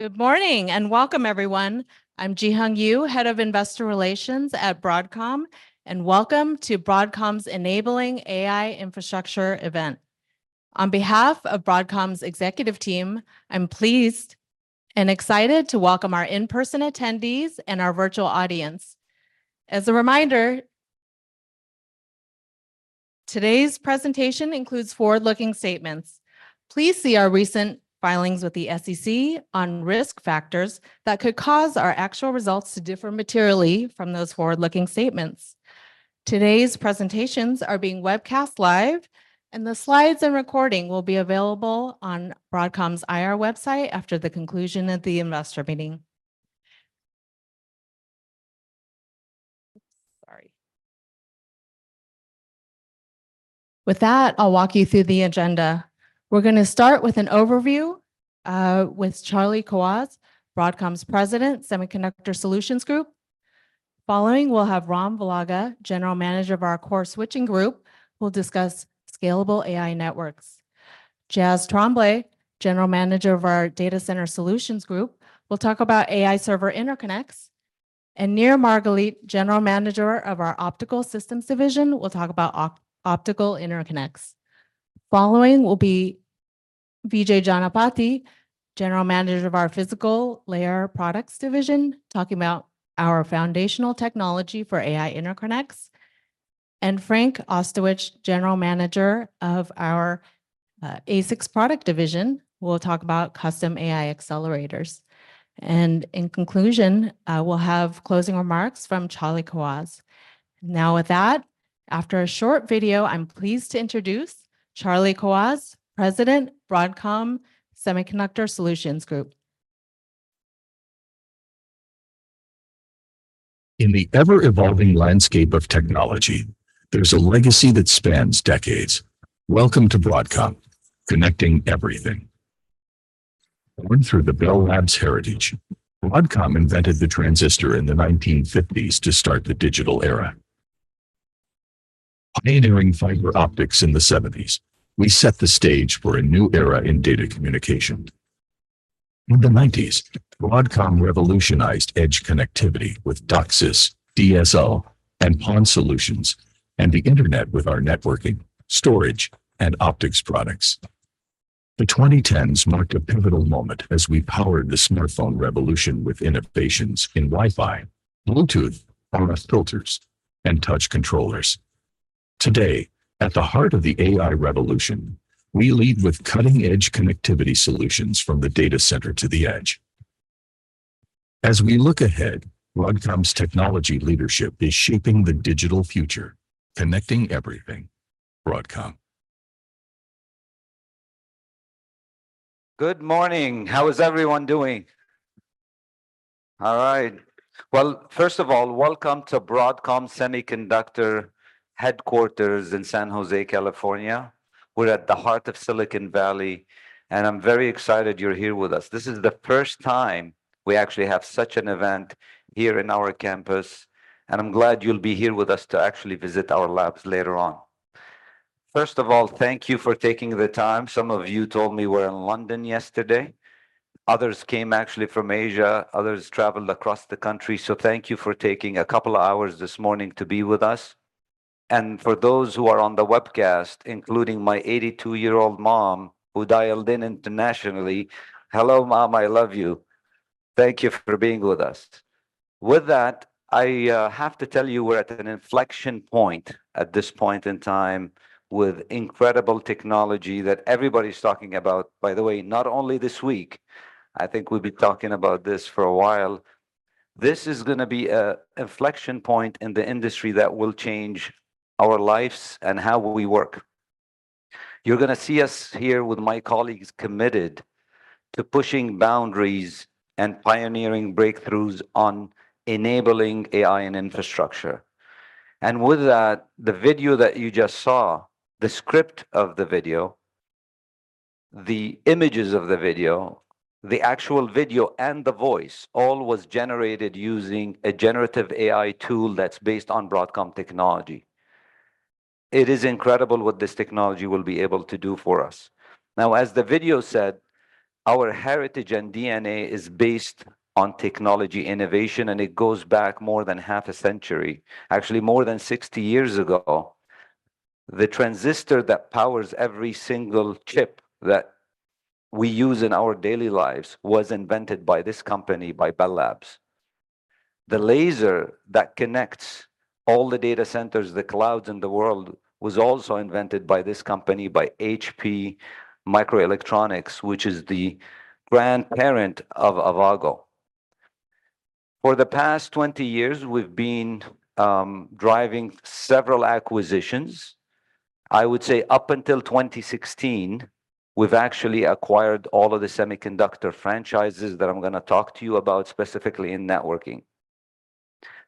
Good morning and welcome, everyone. I'm Jihyung Yoo, Head of Investor Relations at Broadcom, and welcome to Broadcom's Enabling AI Infrastructure event. On behalf of Broadcom's executive team, I'm pleased and excited to welcome our in-person attendees and our virtual audience. As a reminder, today's presentation includes forward-looking statements. Please see our recent filings with the SEC on risk factors that could cause our actual results to differ materially from those forward-looking statements. Today's presentations are being webcast live, and the slides and recording will be available on Broadcom's IR website after the conclusion of the investor meeting. With that, I'll walk you through the agenda. We're going to start with an overview with Charlie Kawwas, Broadcom's President, Semiconductor Solutions Group. Following, we'll have Ram Velaga, General Manager of our Core Switching Group, who will discuss scalable AI networks. Jas Tremblay, General Manager of our Data Center Solutions Group, will talk about AI Server Interconnects. Near Margalit, General Manager of our Optical Systems Division, will talk about Optical Interconnects. Following will be Vijay Janapaty, General Manager of our Physical Layer Products Division, talking about our foundational technology for AI Interconnects. Frank Ostojic, General Manager of our ASIC Products Division, will talk about custom AI accelerators. In conclusion, we'll have closing remarks from Charlie Kawwas. Now with that, after a short video, I'm pleased to introduce Charlie Kawwas, President, Semiconductor Solutions Group at Broadcom. In the ever-evolving landscape of technology, there's a legacy that spans decades. Welcome to Broadcom, connecting everything. Born through the Bell Labs heritage, Broadcom invented the transistor in the 1950s to start the digital era. Pioneering fiber optics in the '70s, we set the stage for a new era in data communication. In the '90s, Broadcom revolutionized edge connectivity with DOCSIS, DSL, and PON solutions, and the internet with our networking, storage, and optics products. The 2010s marked a pivotal moment as we powered the smartphone revolution with innovations in Wi-Fi, Bluetooth, RF filters, and touch controllers. Today, at the heart of the AI revolution, we lead with cutting-edge connectivity solutions from the data center to the edge. As we look ahead, Broadcom's technology leadership is shaping the digital future, connecting everything. Broadcom. Good morning. How is everyone doing? All right. Well, first of all, welcome to Broadcom Semiconductor headquarters in San Jose, California. We're at the heart of Silicon Valley, and I'm very excited you're here with us. This is the first time we actually have such an event here in our campus, and I'm glad you'll be here with us to actually visit our labs later on. First of all, thank you for taking the time. Some of you told me were in London yesterday. Others came actually from Asia. Others traveled across the country. So thank you for taking a couple of hours this morning to be with us. And for those who are on the webcast, including my 82-year-old mom who dialed in internationally, hello, Mom, I love you. Thank you for being with us. With that, I have to tell you we're at an inflection point at this point in time with incredible technology that everybody's talking about. By the way, not only this week, I think we'll be talking about this for a while. This is going to be an inflection point in the industry that will change our lives and how we work. You're going to see us here with my colleagues committed to pushing boundaries and pioneering breakthroughs on enabling AI and infrastructure. And with that, the video that you just saw, the script of the video, the images of the video, the actual video and the voice, all was generated using a generative AI tool that's based on Broadcom technology. It is incredible what this technology will be able to do for us. Now, as the video said, our heritage and DNA is based on technology innovation, and it goes back more than half a century, actually more than 60 years ago. The transistor that powers every single chip that we use in our daily lives was invented by this company, by Bell Labs. The laser that connects all the data centers, the clouds in the world, was also invented by this company, by HP Microelectronics, which is the grandparent of Avago. For the past 20 years, we've been driving several acquisitions. I would say up until 2016, we've actually acquired all of the semiconductor franchises that I'm going to talk to you about specifically in networking.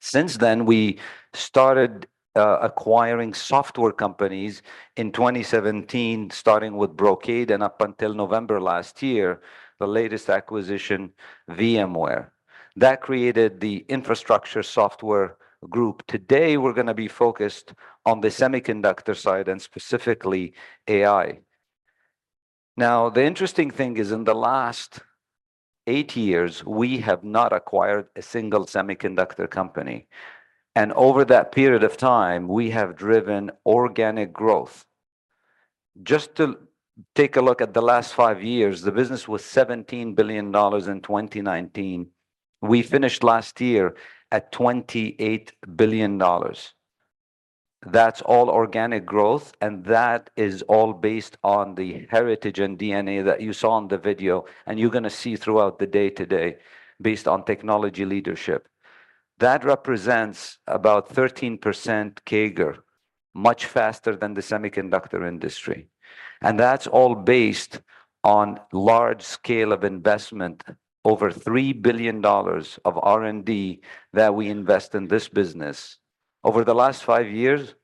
Since then, we started acquiring software companies in 2017, starting with Brocade and up until November last year, the latest acquisition, VMware. That created the Infrastructure Software Group. Today, we're going to be focused on the semiconductor side and specifically AI. Now, the interesting thing is in the last eight years, we have not acquired a single semiconductor company. And over that period of time, we have driven organic growth. Just to take a look at the last five years, the business was $17 billion in 2019. We finished last year at $28 billion. That's all organic growth, and that is all based on the heritage and DNA that you saw in the video, and you're going to see throughout the day today based on technology leadership. That represents about 13% CAGR, much faster than the semiconductor industry. And that's all based on large scale of investment, over $3 billion of R&D that we invest in this business. Over the last five years,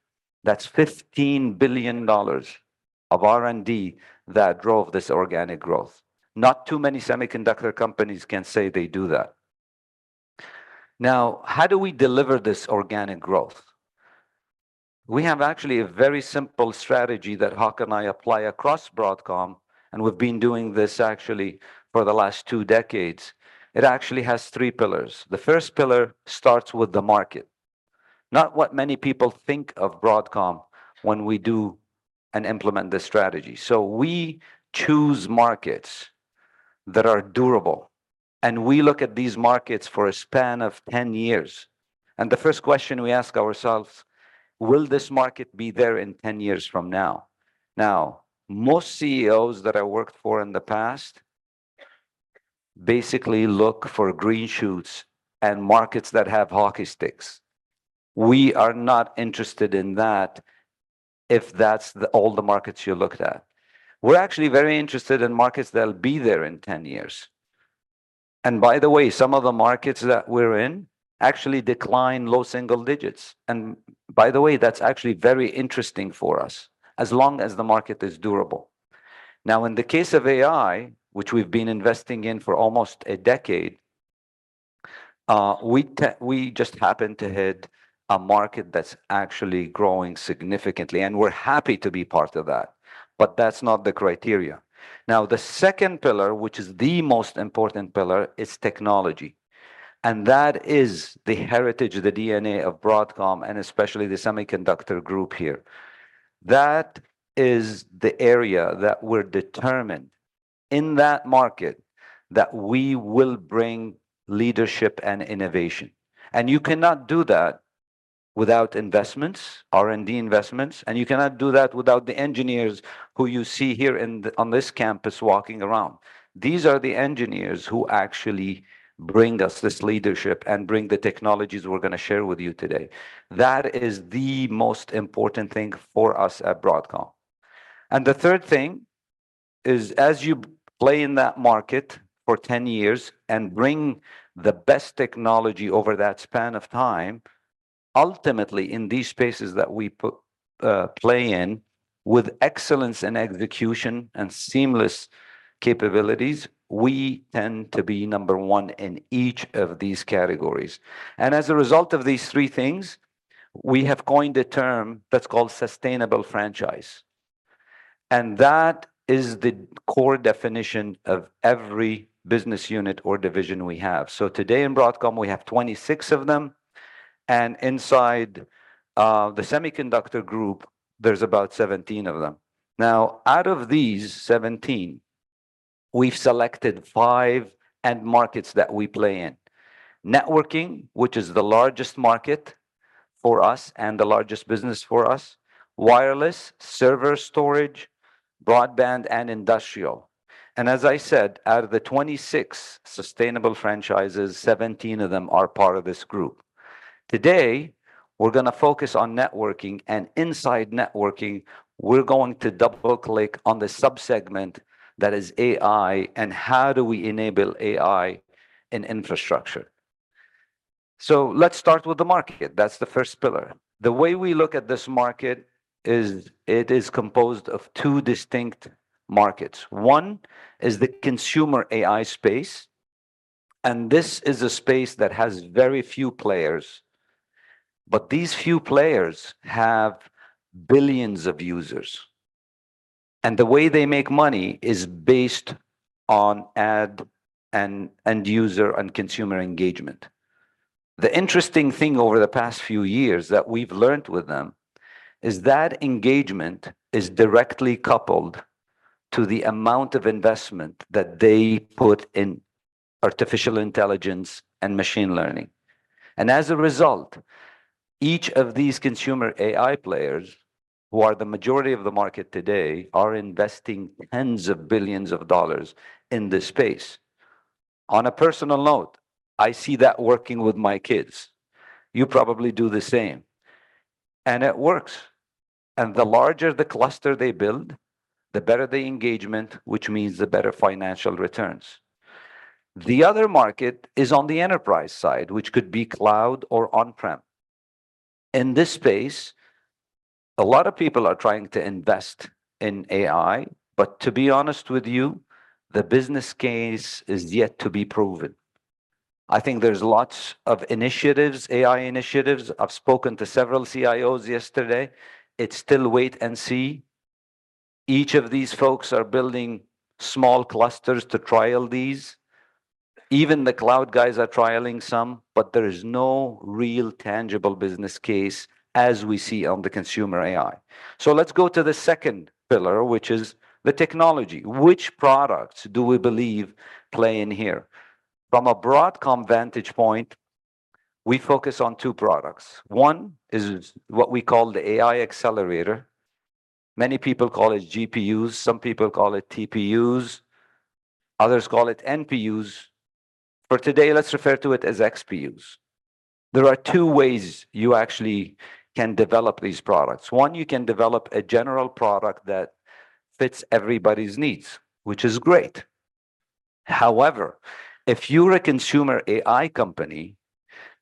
that's $15 billion of R&D that drove this organic growth. Not too many semiconductor companies can say they do that. Now, how do we deliver this organic growth? We have actually a very simple strategy that Hock and I apply across Broadcom, and we've been doing this actually for the last two decades. It actually has three pillars. The first pillar starts with the market. Not what many people think of Broadcom when we do and implement this strategy. So we choose markets that are durable, and we look at these markets for a span of 10 years. And the first question we ask ourselves, will this market be there in 10 years from now? Now, most CEOs that I worked for in the past basically look for green shoots and markets that have hockey sticks. We are not interested in that if that's all the markets you looked at. We're actually very interested in markets that'll be there in 10 years. And by the way, some of the markets that we're in actually decline low single digits. And by the way, that's actually very interesting for us as long as the market is durable. Now, in the case of AI, which we've been investing in for almost a decade, we just happen to hit a market that's actually growing significantly, and we're happy to be part of that. But that's not the criteria. Now, the second pillar, which is the most important pillar, is technology. And that is the heritage, the DNA of Broadcom, and especially the Semiconductor Group here. That is the area that we're determined in that market that we will bring leadership and innovation. You cannot do that without investments, R&D investments, and you cannot do that without the engineers who you see here on this campus walking around. These are the engineers who actually bring us this leadership and bring the technologies we're going to share with you today. That is the most important thing for us at Broadcom. The third thing is, as you play in that market for 10 years and bring the best technology over that span of time, ultimately in these spaces that we play in, with excellence in execution and seamless capabilities, we tend to be number one in each of these categories. As a result of these three things, we have coined a term that's called sustainable franchise. That is the core definition of every business unit or division we have. Today in Broadcom, we have 26 of them. Inside the Semiconductor Group, there's about 17 of them. Now, out of these 17, we've selected five end markets that we play in. Networking, which is the largest market for us and the largest business for us. Wireless, server storage, broadband, and industrial. As I said, out of the 26 sustainable franchises, 17 of them are part of this group. Today, we're going to focus on networking, and inside networking, we're going to double-click on the subsegment that is AI and how do we enable AI in infrastructure. Let's start with the market. That's the first pillar. The way we look at this market is it is composed of two distinct markets. One is the consumer AI space. This is a space that has very few players. But these few players have billions of users. The way they make money is based on ad and user and consumer engagement. The interesting thing over the past few years that we've learned with them is that engagement is directly coupled to the amount of investment that they put in artificial intelligence and machine learning. And as a result, each of these consumer AI players, who are the majority of the market today, are investing tens of billions of dollars in this space. On a personal note, I see that working with my kids. You probably do the same. And it works. And the larger the cluster they build, the better the engagement, which means the better financial returns. The other market is on the enterprise side, which could be cloud or on-prem. In this space, a lot of people are trying to invest in AI, but to be honest with you, the business case is yet to be proven. I think there's lots of initiatives, AI initiatives. I've spoken to several CIOs yesterday. It's still wait and see. Each of these folks are building small clusters to trial these. Even the cloud guys are trialing some, but there is no real tangible business case as we see on the consumer AI. So let's go to the second pillar, which is the technology. Which products do we believe play in here? From a Broadcom vantage point, we focus on 2 products. One is what we call the AI accelerator. Many people call it GPUs. Some people call it TPUs. Others call it NPUs. For today, let's refer to it as XPUs. There are 2 ways you actually can develop these products. One, you can develop a general product that fits everybody's needs, which is great. However, if you're a consumer AI company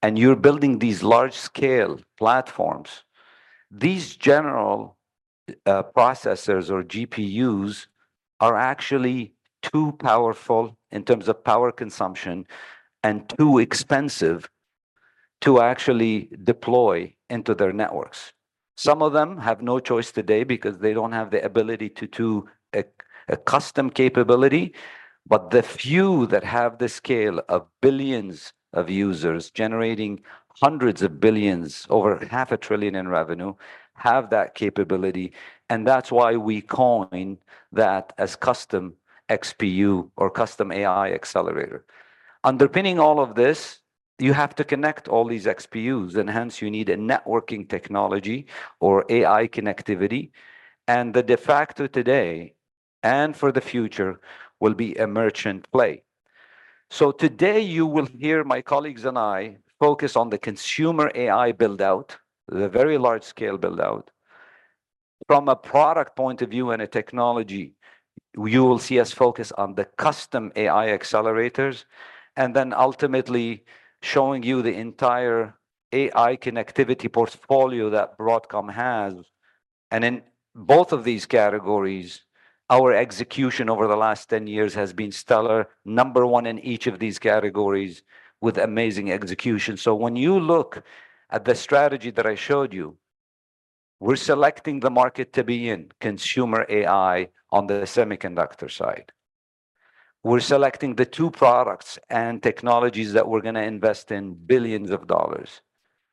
and you're building these large-scale platforms, these general processors or GPUs are actually too powerful in terms of power consumption and too expensive to actually deploy into their networks. Some of them have no choice today because they don't have the ability to do a custom capability, but the few that have the scale of billions of users generating hundreds of billions, over $500 billion in revenue, have that capability. That's why we coin that as custom XPU or custom AI accelerator. Underpinning all of this, you have to connect all these XPUs, and hence you need a networking technology or AI connectivity. The de facto today and for the future will be a merchant play. So today you will hear my colleagues and I focus on the consumer AI buildout, the very large-scale buildout. From a product point of view and a technology, you will see us focus on the custom AI accelerators, and then ultimately showing you the entire AI connectivity portfolio that Broadcom has. And in both of these categories, our execution over the last 10 years has been stellar, number one in each of these categories with amazing execution. So when you look at the strategy that I showed you, we're selecting the market to be in, consumer AI on the semiconductor side. We're selecting the 2 products and technologies that we're going to invest in billions of dollars.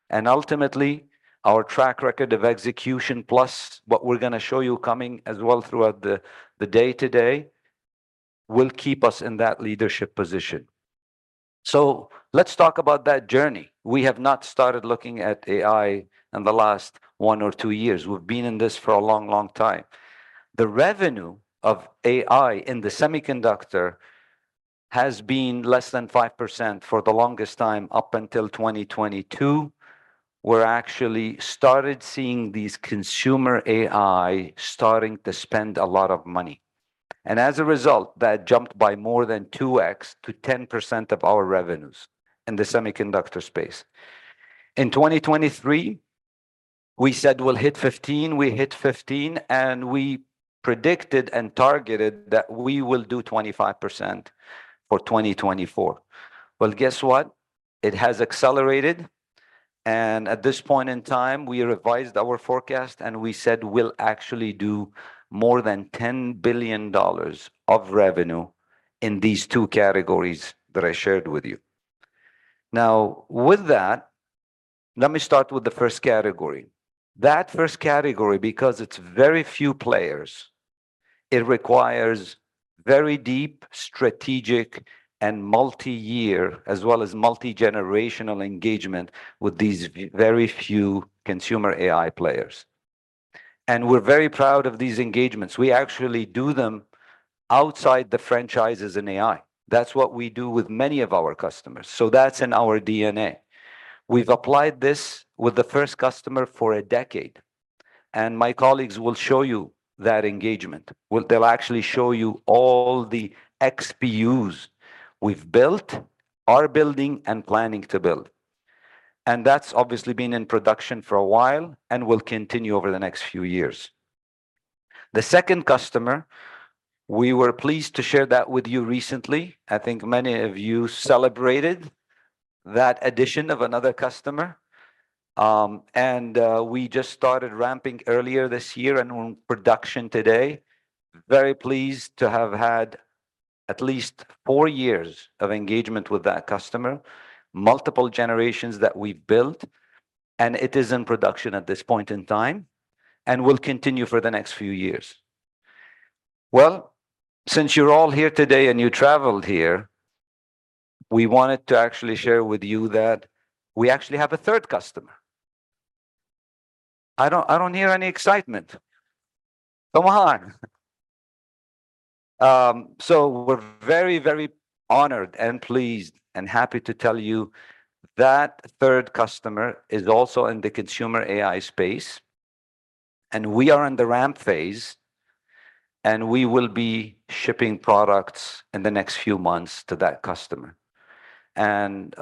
And ultimately, our track record of execution, plus what we're going to show you coming as well throughout the day today, will keep us in that leadership position. Let's talk about that journey. We have not started looking at AI in the last one or two years. We've been in this for a long, long time. The revenue of AI in the semiconductor has been less than 5% for the longest time, up until 2022. We're actually started seeing these consumer AI starting to spend a lot of money. As a result, that jumped by more than 2x to 10% of our revenues in the semiconductor space. In 2023, we said we'll hit 15%. We hit 15%, and we predicted and targeted that we will do 25% for 2024. Well, guess what? It has accelerated. At this point in time, we revised our forecast and we said we'll actually do more than $10 billion of revenue in these two categories that I shared with you. Now, with that, let me start with the first category. That first category, because it's very few players, it requires very deep strategic and multi-year, as well as multi-generational engagement with these very few consumer AI players. And we're very proud of these engagements. We actually do them outside the franchises in AI. That's what we do with many of our customers. So that's in our DNA. We've applied this with the first customer for a decade. And my colleagues will show you that engagement. They'll actually show you all the XPUs we've built, are building, and planning to build. And that's obviously been in production for a while and will continue over the next few years. The second customer, we were pleased to share that with you recently. I think many of you celebrated that addition of another customer. And we just started ramping earlier this year and in production today. Very pleased to have had at least four years of engagement with that customer, multiple generations that we've built, and it is in production at this point in time, and will continue for the next few years. Well, since you're all here today and you traveled here, we wanted to actually share with you that we actually have a third customer. I don't hear any excitement. Come on. So we're very, very honored and pleased and happy to tell you that third customer is also in the consumer AI space. And we are in the ramp phase. And we will be shipping products in the next few months to that customer. And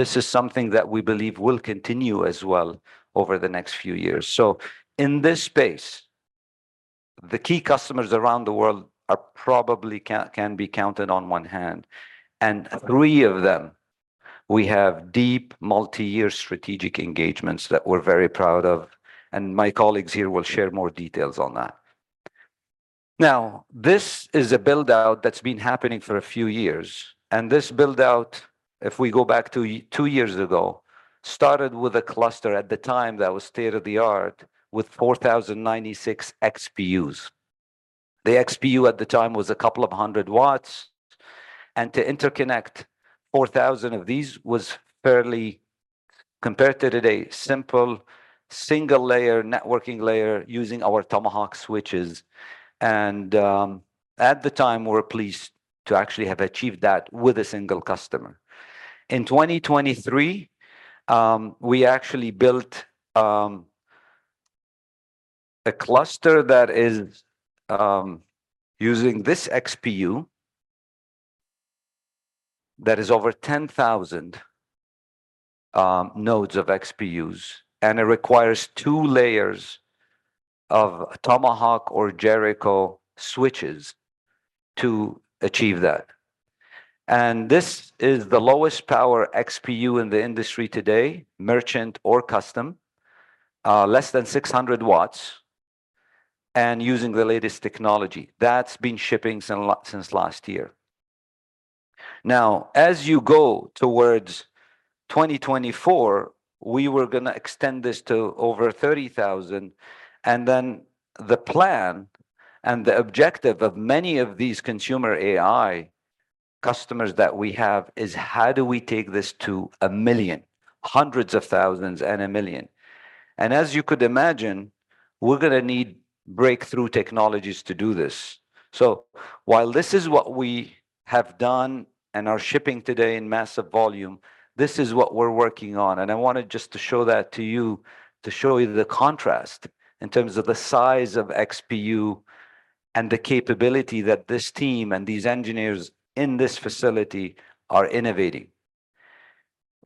this is something that we believe will continue as well over the next few years. So in this space, the key customers around the world are probably can be counted on one hand. Three of them, we have deep multi-year strategic engagements that we're very proud of, and my colleagues here will share more details on that. Now, this is a buildout that's been happening for a few years, and this buildout, if we go back to 2 years ago, started with a cluster at the time that was state of the art with 4,096 XPUs. The XPU at the time was a couple of hundred watts. And to interconnect 4,000 of these was fairly, compared to today, simple, single-layer networking layer using our Tomahawk switches. And, at the time, we were pleased to actually have achieved that with a single customer. In 2023, we actually built a cluster that is using this XPU that is over 10,000 nodes of XPUs, and it requires two layers of Tomahawk or Jericho switches to achieve that. This is the lowest power XPU in the industry today, merchant or custom, less than 600 W, and using the latest technology. That's been shipping since last year. Now, as you go towards 2024, we were going to extend this to over 30,000, and then the plan and the objective of many of these consumer AI customers that we have is how do we take this to a million, hundreds of thousands, and a million. As you could imagine, we're going to need breakthrough technologies to do this. So while this is what we have done and are shipping today in massive volume, this is what we're working on, and I wanted just to show that to you, to show you the contrast in terms of the size of XPU and the capability that this team and these engineers in this facility are innovating.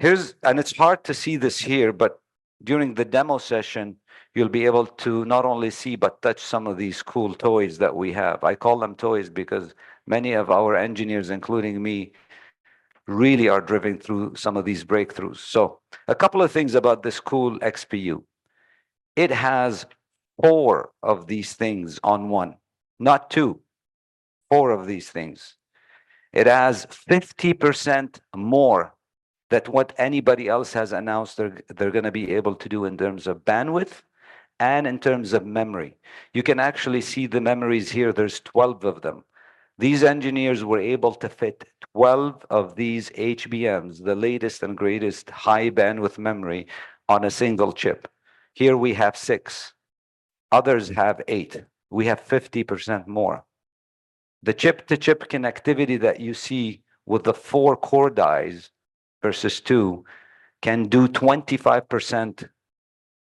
Here's, and it's hard to see this here, but during the demo session, you'll be able to not only see but touch some of these cool toys that we have. I call them toys because many of our engineers, including me, really are driving through some of these breakthroughs. So a couple of things about this cool XPU. It has four of these things on one, not two. Four of these things. It has 50% more than what anybody else has announced they're going to be able to do in terms of bandwidth and in terms of memory. You can actually see the memories here. There's 12 of them. These engineers were able to fit 12 of these HBMs, the latest and greatest high bandwidth memory, on a single chip. Here we have six. Others have eight. We have 50% more. The chip-to-chip connectivity that you see with the four core dies versus two can do 25%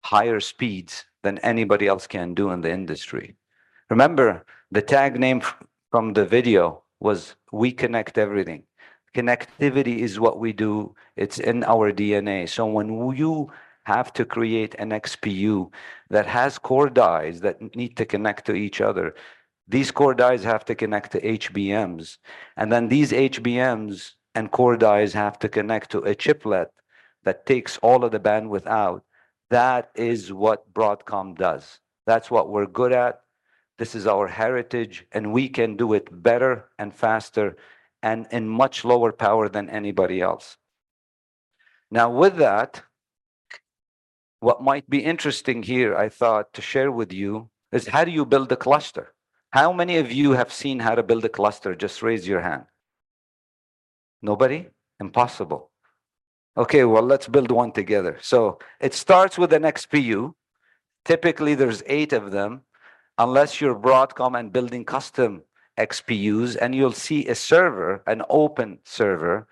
higher speeds than anybody else can do in the industry. Remember, the tag name from the video was "We Connect Everything." Connectivity is what we do. It's in our DNA. So when you have to create an XPU that has core dies that need to connect to each other, these core dies have to connect to HBMs, and then these HBMs and core dies have to connect to a chiplet that takes all of the bandwidth out. That is what Broadcom does. That's what we're good at. This is our heritage, and we can do it better and faster and in much lower power than anybody else. Now, with that, what might be interesting here, I thought, to share with you is how do you build a cluster? How many of you have seen how to build a cluster? Just raise your hand. Nobody? Impossible. Okay, well, let's build one together. So it starts with an XPU. Typically, there's eight of them, unless you're Broadcom and building custom XPUs, and you'll see a server, an open server,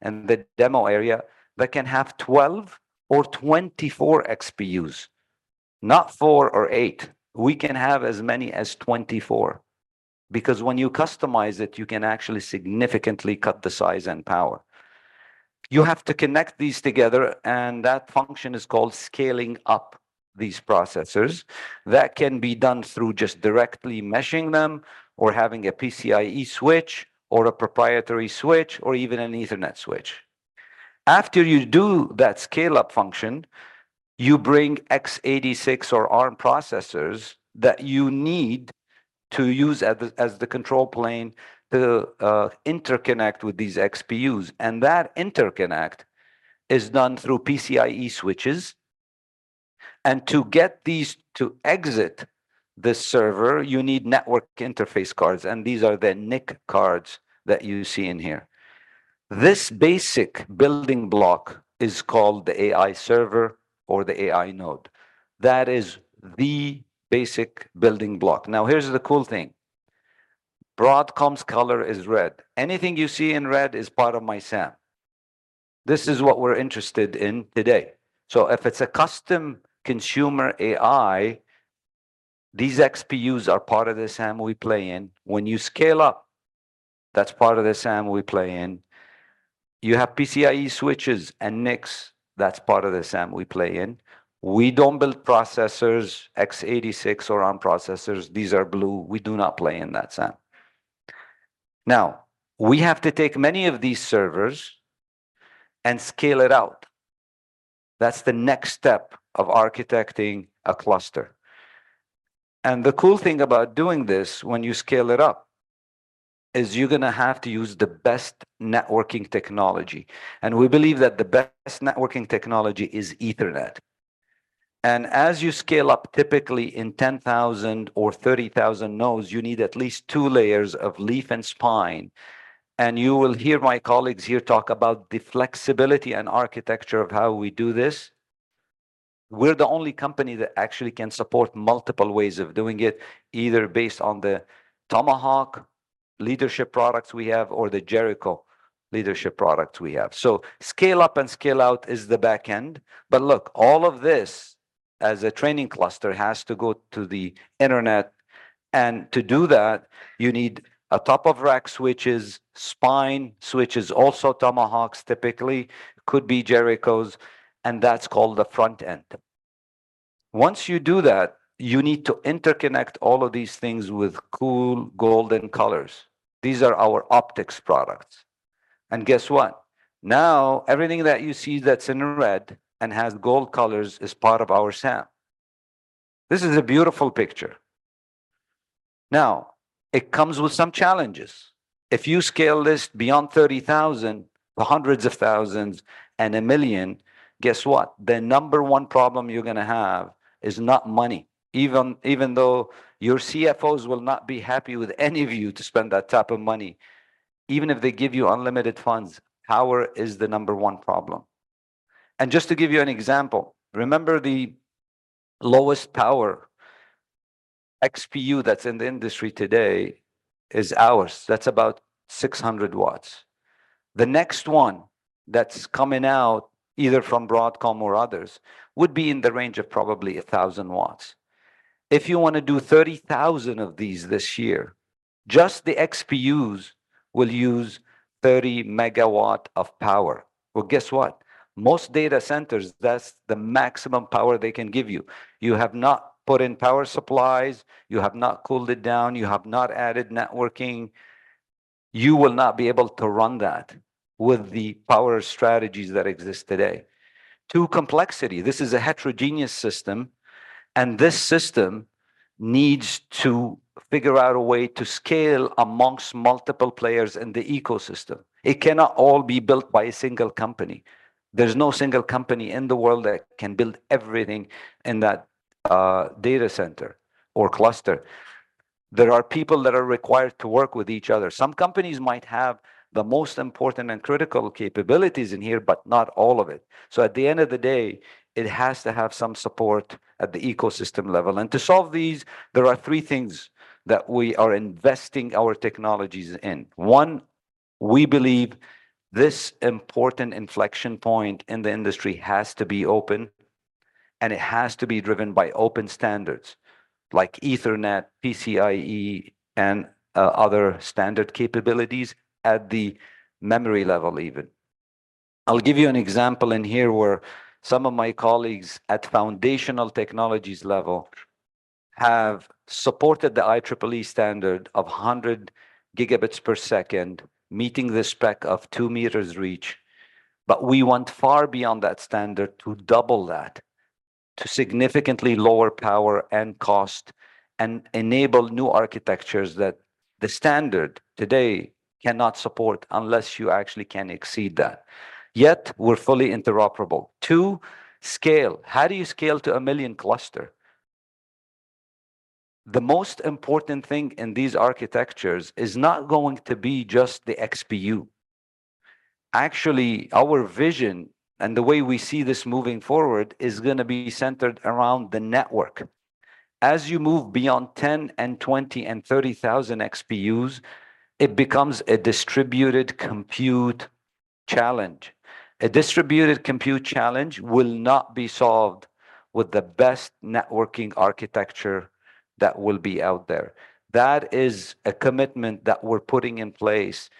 in the demo area that can have 12 or 24 XPUs. Not four or eight. We can have as many as 24. Because when you customize it, you can actually significantly cut the size and power. You have to connect these together, and that function is called scaling up these processors. That can be done through just directly meshing them, or having a PCIe switch, or a proprietary switch, or even an Ethernet switch. After you do that scale-up function, you bring x86 or ARM processors that you need to use as the control plane to interconnect with these XPUs, and that interconnect is done through PCIe switches. And to get these to exit this server, you need network interface cards, and these are the NIC cards that you see in here. This basic building block is called the AI server or the AI node. That is the basic building block. Now here's the cool thing. Broadcom's color is red. Anything you see in red is part of my SAM. This is what we're interested in today. So if it's a custom consumer AI, these XPUs are part of the SAM we play in. When you scale up, that's part of the SAM we play in. You have PCIe switches and NICs, that's part of the SAM we play in. We don't build processors, x86 or ARM processors. These are blue. We do not play in that SAM. Now, we have to take many of these servers and scale it out. That's the next step of architecting a cluster. The cool thing about doing this when you scale it up is you're going to have to use the best networking technology. We believe that the best networking technology is Ethernet. As you scale up, typically in 10,000 or 30,000 nodes, you need at least two layers of leaf and spine. You will hear my colleagues here talk about the flexibility and architecture of how we do this. We're the only company that actually can support multiple ways of doing it, either based on the Tomahawk leadership products we have or the Jericho leadership products we have. Scale up and scale out is the back end. But look, all of this as a training cluster has to go to the Internet. And to do that, you need top-of-rack switches, spine switches, also Tomahawks typically, could be Jerichos, and that's called the front end. Once you do that, you need to interconnect all of these things with cool golden colors. These are our optics products. And guess what? Now, everything that you see that's in red and has gold colors is part of our SAM. This is a beautiful picture. Now, it comes with some challenges. If you scale this beyond 30,000, the hundreds of thousands, and a million, guess what? The number one problem you're going to have is not money. Even even though your CFOs will not be happy with any of you to spend that type of money, even if they give you unlimited funds, power is the number one problem. Just to give you an example, remember the lowest power XPU that's in the industry today is ours. That's about 600 W. The next one that's coming out, either from Broadcom or others, would be in the range of probably 1,000 W. If you want to do 30,000 of these this year, just the XPUs will use 30 MW of power. Well, guess what? Most data centers, that's the maximum power they can give you. You have not put in power supplies, you have not cooled it down, you have not added networking. You will not be able to run that with the power strategies that exist today. To complexity, this is a heterogeneous system, and this system needs to figure out a way to scale amongst multiple players in the ecosystem. It cannot all be built by a single company. There's no single company in the world that can build everything in that data center or cluster. There are people that are required to work with each other. Some companies might have the most important and critical capabilities in here, but not all of it. So at the end of the day, it has to have some support at the ecosystem level. And to solve these, there are three things that we are investing our technologies in. One, we believe this important inflection point in the industry has to be open, and it has to be driven by open standards, like Ethernet, PCIe, and other standard capabilities at the memory level even. I'll give you an example in here where some of my colleagues at foundational technologies level have supported the IEEE standard of 100 Gbps, meeting the spec of 2 m reach, but we want far beyond that standard to double that, to significantly lower power and cost, and enable new architectures that the standard today cannot support unless you actually can exceed that. Yet, we're fully interoperable. Two, scale. How do you scale to a 1 million cluster? The most important thing in these architectures is not going to be just the XPU. Actually, our vision and the way we see this moving forward is going to be centered around the network. As you move beyond 10,000, 20,000, and 30,000 XPUs, it becomes a distributed compute challenge. A distributed compute challenge will not be solved with the best networking architecture that will be out there. That is a commitment that we're putting in place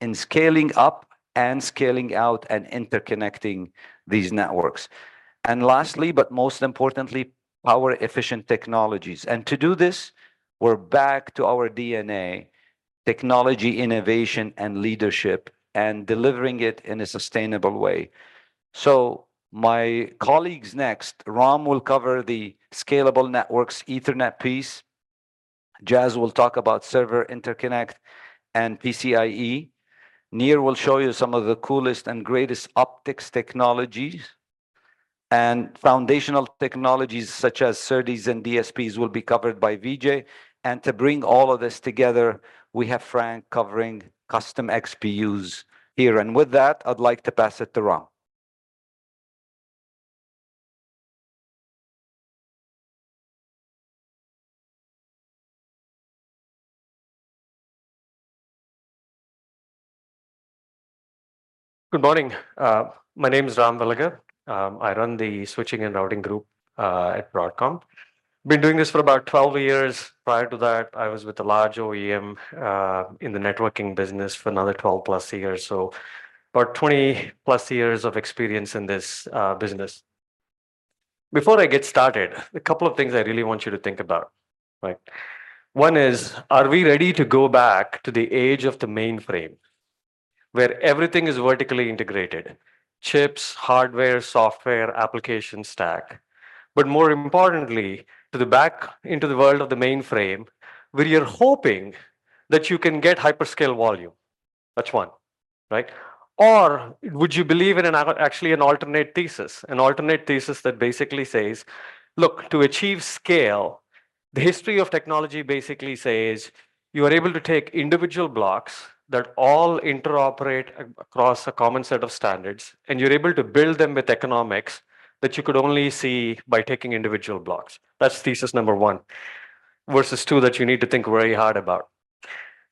in scaling up and scaling out and interconnecting these networks. And lastly, but most importantly, power-efficient technologies. And to do this, we're back to our DNA: technology, innovation, and leadership, and delivering it in a sustainable way. So my colleagues next, Ram will cover the scalable networks Ethernet piece. Jas will talk about server interconnect and PCIe. Near will show you some of the coolest and greatest optics technologies. And foundational technologies such as SerDes and DSPs will be covered by Vijay. And to bring all of this together, we have Frank covering custom XPUs here. And with that, I'd like to pass it to Ram. Good morning. My name is Ram Velaga. I run the switching and routing group at Broadcom. Been doing this for about 12 years. Prior to that, I was with a large OEM in the networking business for another 12+ years. So about 20+ years of experience in this business. Before I get started, a couple of things I really want you to think about. Right? One is, are we ready to go back to the age of the mainframe where everything is vertically integrated? Chips, hardware, software, application stack. But more importantly, back into the world of the mainframe, where you're hoping that you can get hyperscale volume. That's one. Right? Or would you believe in an actually an alternate thesis? An alternate thesis that basically says, look, to achieve scale, the history of technology basically says you are able to take individual blocks that all interoperate across a common set of standards, and you're able to build them with economics that you could only see by taking individual blocks. That's thesis number one. Versus two that you need to think very hard about.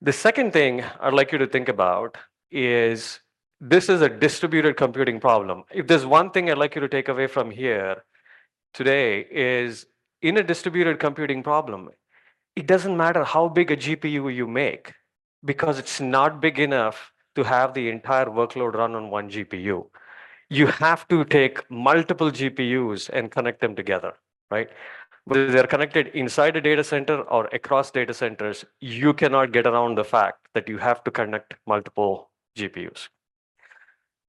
The second thing I'd like you to think about is this is a distributed computing problem. If there's one thing I'd like you to take away from here today is in a distributed computing problem, it doesn't matter how big a GPU you make, because it's not big enough to have the entire workload run on one GPU. You have to take multiple GPUs and connect them together. Right? Whether they're connected inside a data center or across data centers, you cannot get around the fact that you have to connect multiple GPUs.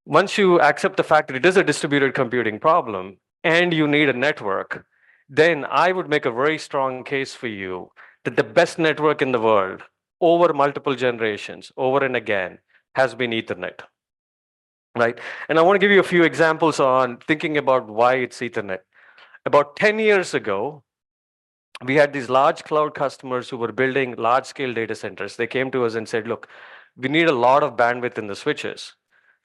Once you accept the fact that it is a distributed computing problem, and you need a network, then I would make a very strong case for you that the best network in the world, over multiple generations, over and again, has been Ethernet. Right? And I want to give you a few examples on thinking about why it's Ethernet. About 10 years ago, we had these large cloud customers who were building large-scale data centers. They came to us and said, look, we need a lot of bandwidth in the switches.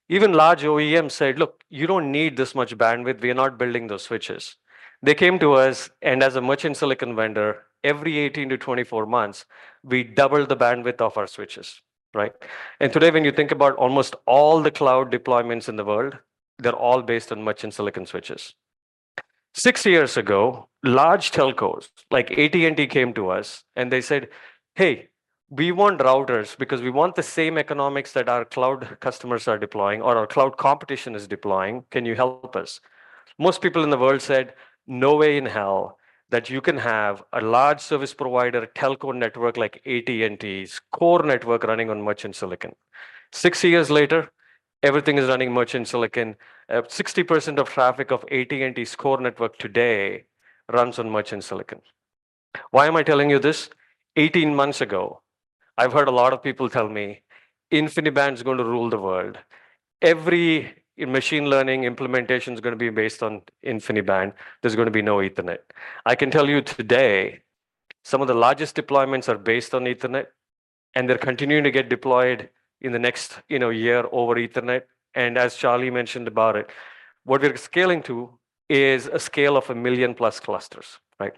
Even large OEMs said, look, you don't need this much bandwidth. We are not building those switches. They came to us, and as a merchant silicon vendor, every 18-24 months, we doubled the bandwidth of our switches. Right? And today, when you think about almost all the cloud deployments in the world, they're all based on merchant silicon switches. Six years ago, large telcos like AT&T came to us, and they said, hey, we want routers because we want the same economics that our cloud customers are deploying, or our cloud competition is deploying. Can you help us? Most people in the world said, no way in hell that you can have a large service provider telco network like AT&T's core network running on merchant silicon. Six years later, everything is running merchant silicon. 60% of traffic of AT&T's core network today runs on merchant silicon. Why am I telling you this? 18 months ago, I've heard a lot of people tell me, InfiniBand is going to rule the world. Every machine learning implementation is going to be based on InfiniBand. There's going to be no Ethernet. I can tell you today, some of the largest deployments are based on Ethernet, and they're continuing to get deployed in the next, you know, year over Ethernet. As Charlie mentioned about it, what we're scaling to is a scale of 1 million-plus clusters. Right?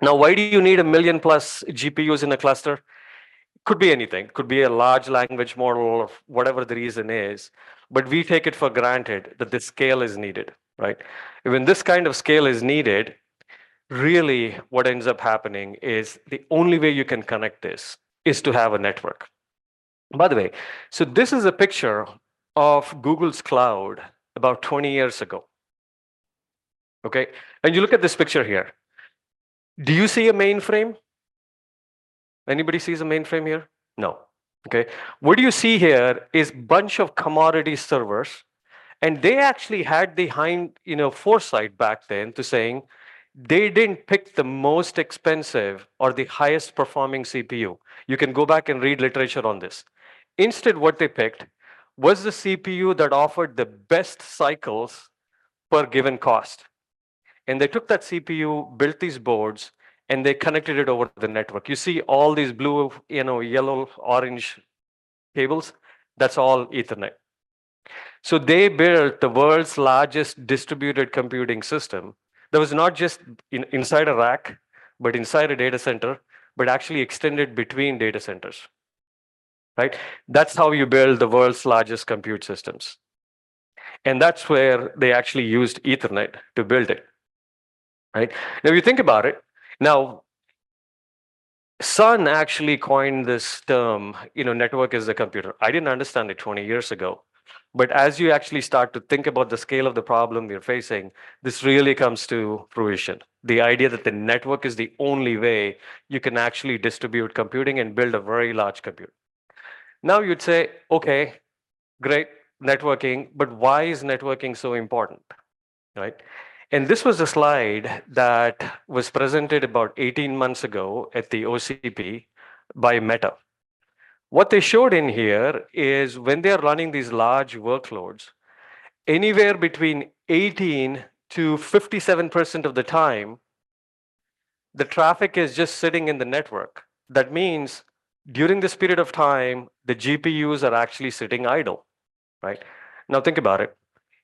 Now, why do you need 1 million-plus GPUs in a cluster? It could be anything. It could be a large language model or whatever the reason is. But we take it for granted that this scale is needed. Right? When this kind of scale is needed, really what ends up happening is the only way you can connect this is to have a network. By the way, so this is a picture of Google's cloud about 20 years ago. Okay? And you look at this picture here. Do you see a mainframe? Anybody sees a mainframe here? No. Okay? What do you see here is a bunch of commodity servers, and they actually had the, you know, foresight back then to saying they didn't pick the most expensive or the highest performing CPU. You can go back and read literature on this. Instead, what they picked was the CPU that offered the best cycles per given cost. And they took that CPU, built these boards, and they connected it over the network. You see all these blue, you know, yellow, orange cables? That's all Ethernet. So they built the world's largest distributed computing system that was not just inside a rack, but inside a data center, but actually extended between data centers. Right? That's how you build the world's largest compute systems. That's where they actually used Ethernet to build it. Right? Now, if you think about it, now, Sun actually coined this term, you know, network is a computer. I didn't understand it 20 years ago. But as you actually start to think about the scale of the problem you're facing, this really comes to fruition. The idea that the network is the only way you can actually distribute computing and build a very large compute. Now you'd say, okay, great networking, but why is networking so important? Right? This was a slide that was presented about 18 months ago at the OCP by Meta. What they showed in here is when they are running these large workloads, anywhere between 18%-57% of the time, the traffic is just sitting in the network. That means during this period of time, the GPUs are actually sitting idle. Right? Now think about it.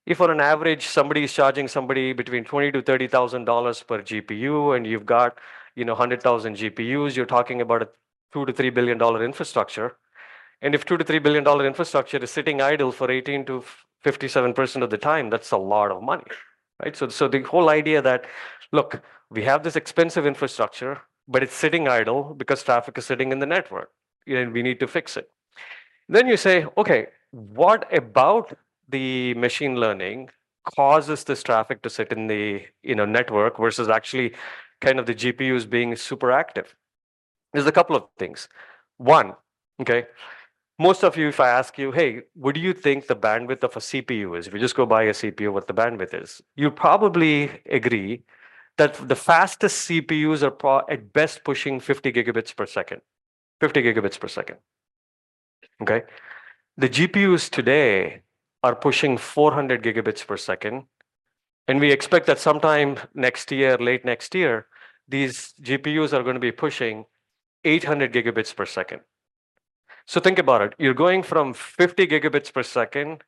If on an average, somebody is charging somebody between $20,000-$30,000 per GPU, and you've got, you know, 100,000 GPUs, you're talking about a $2 billion-$3 billion infrastructure. And if $2 billion-$3 billion infrastructure is sitting idle for 18%-57% of the time, that's a lot of money. Right? So the whole idea that, look, we have this expensive infrastructure, but it's sitting idle because traffic is sitting in the network. And we need to fix it. Then you say, okay, what about the machine learning causes this traffic to sit in the, you know, network versus actually kind of the GPUs being superactive? There's a couple of things. One, okay? Most of you, if I ask you, hey, what do you think the bandwidth of a CPU is? If you just go buy a CPU, what the bandwidth is? You'd probably agree that the fastest CPUs are at best pushing 50 Gbps. 50 Gbps. Okay? The GPUs today are pushing 400 Gbps. We expect that sometime next year, late next year, these GPUs are going to be pushing 800 Gbps. So think about it. You're going from 50 Gbps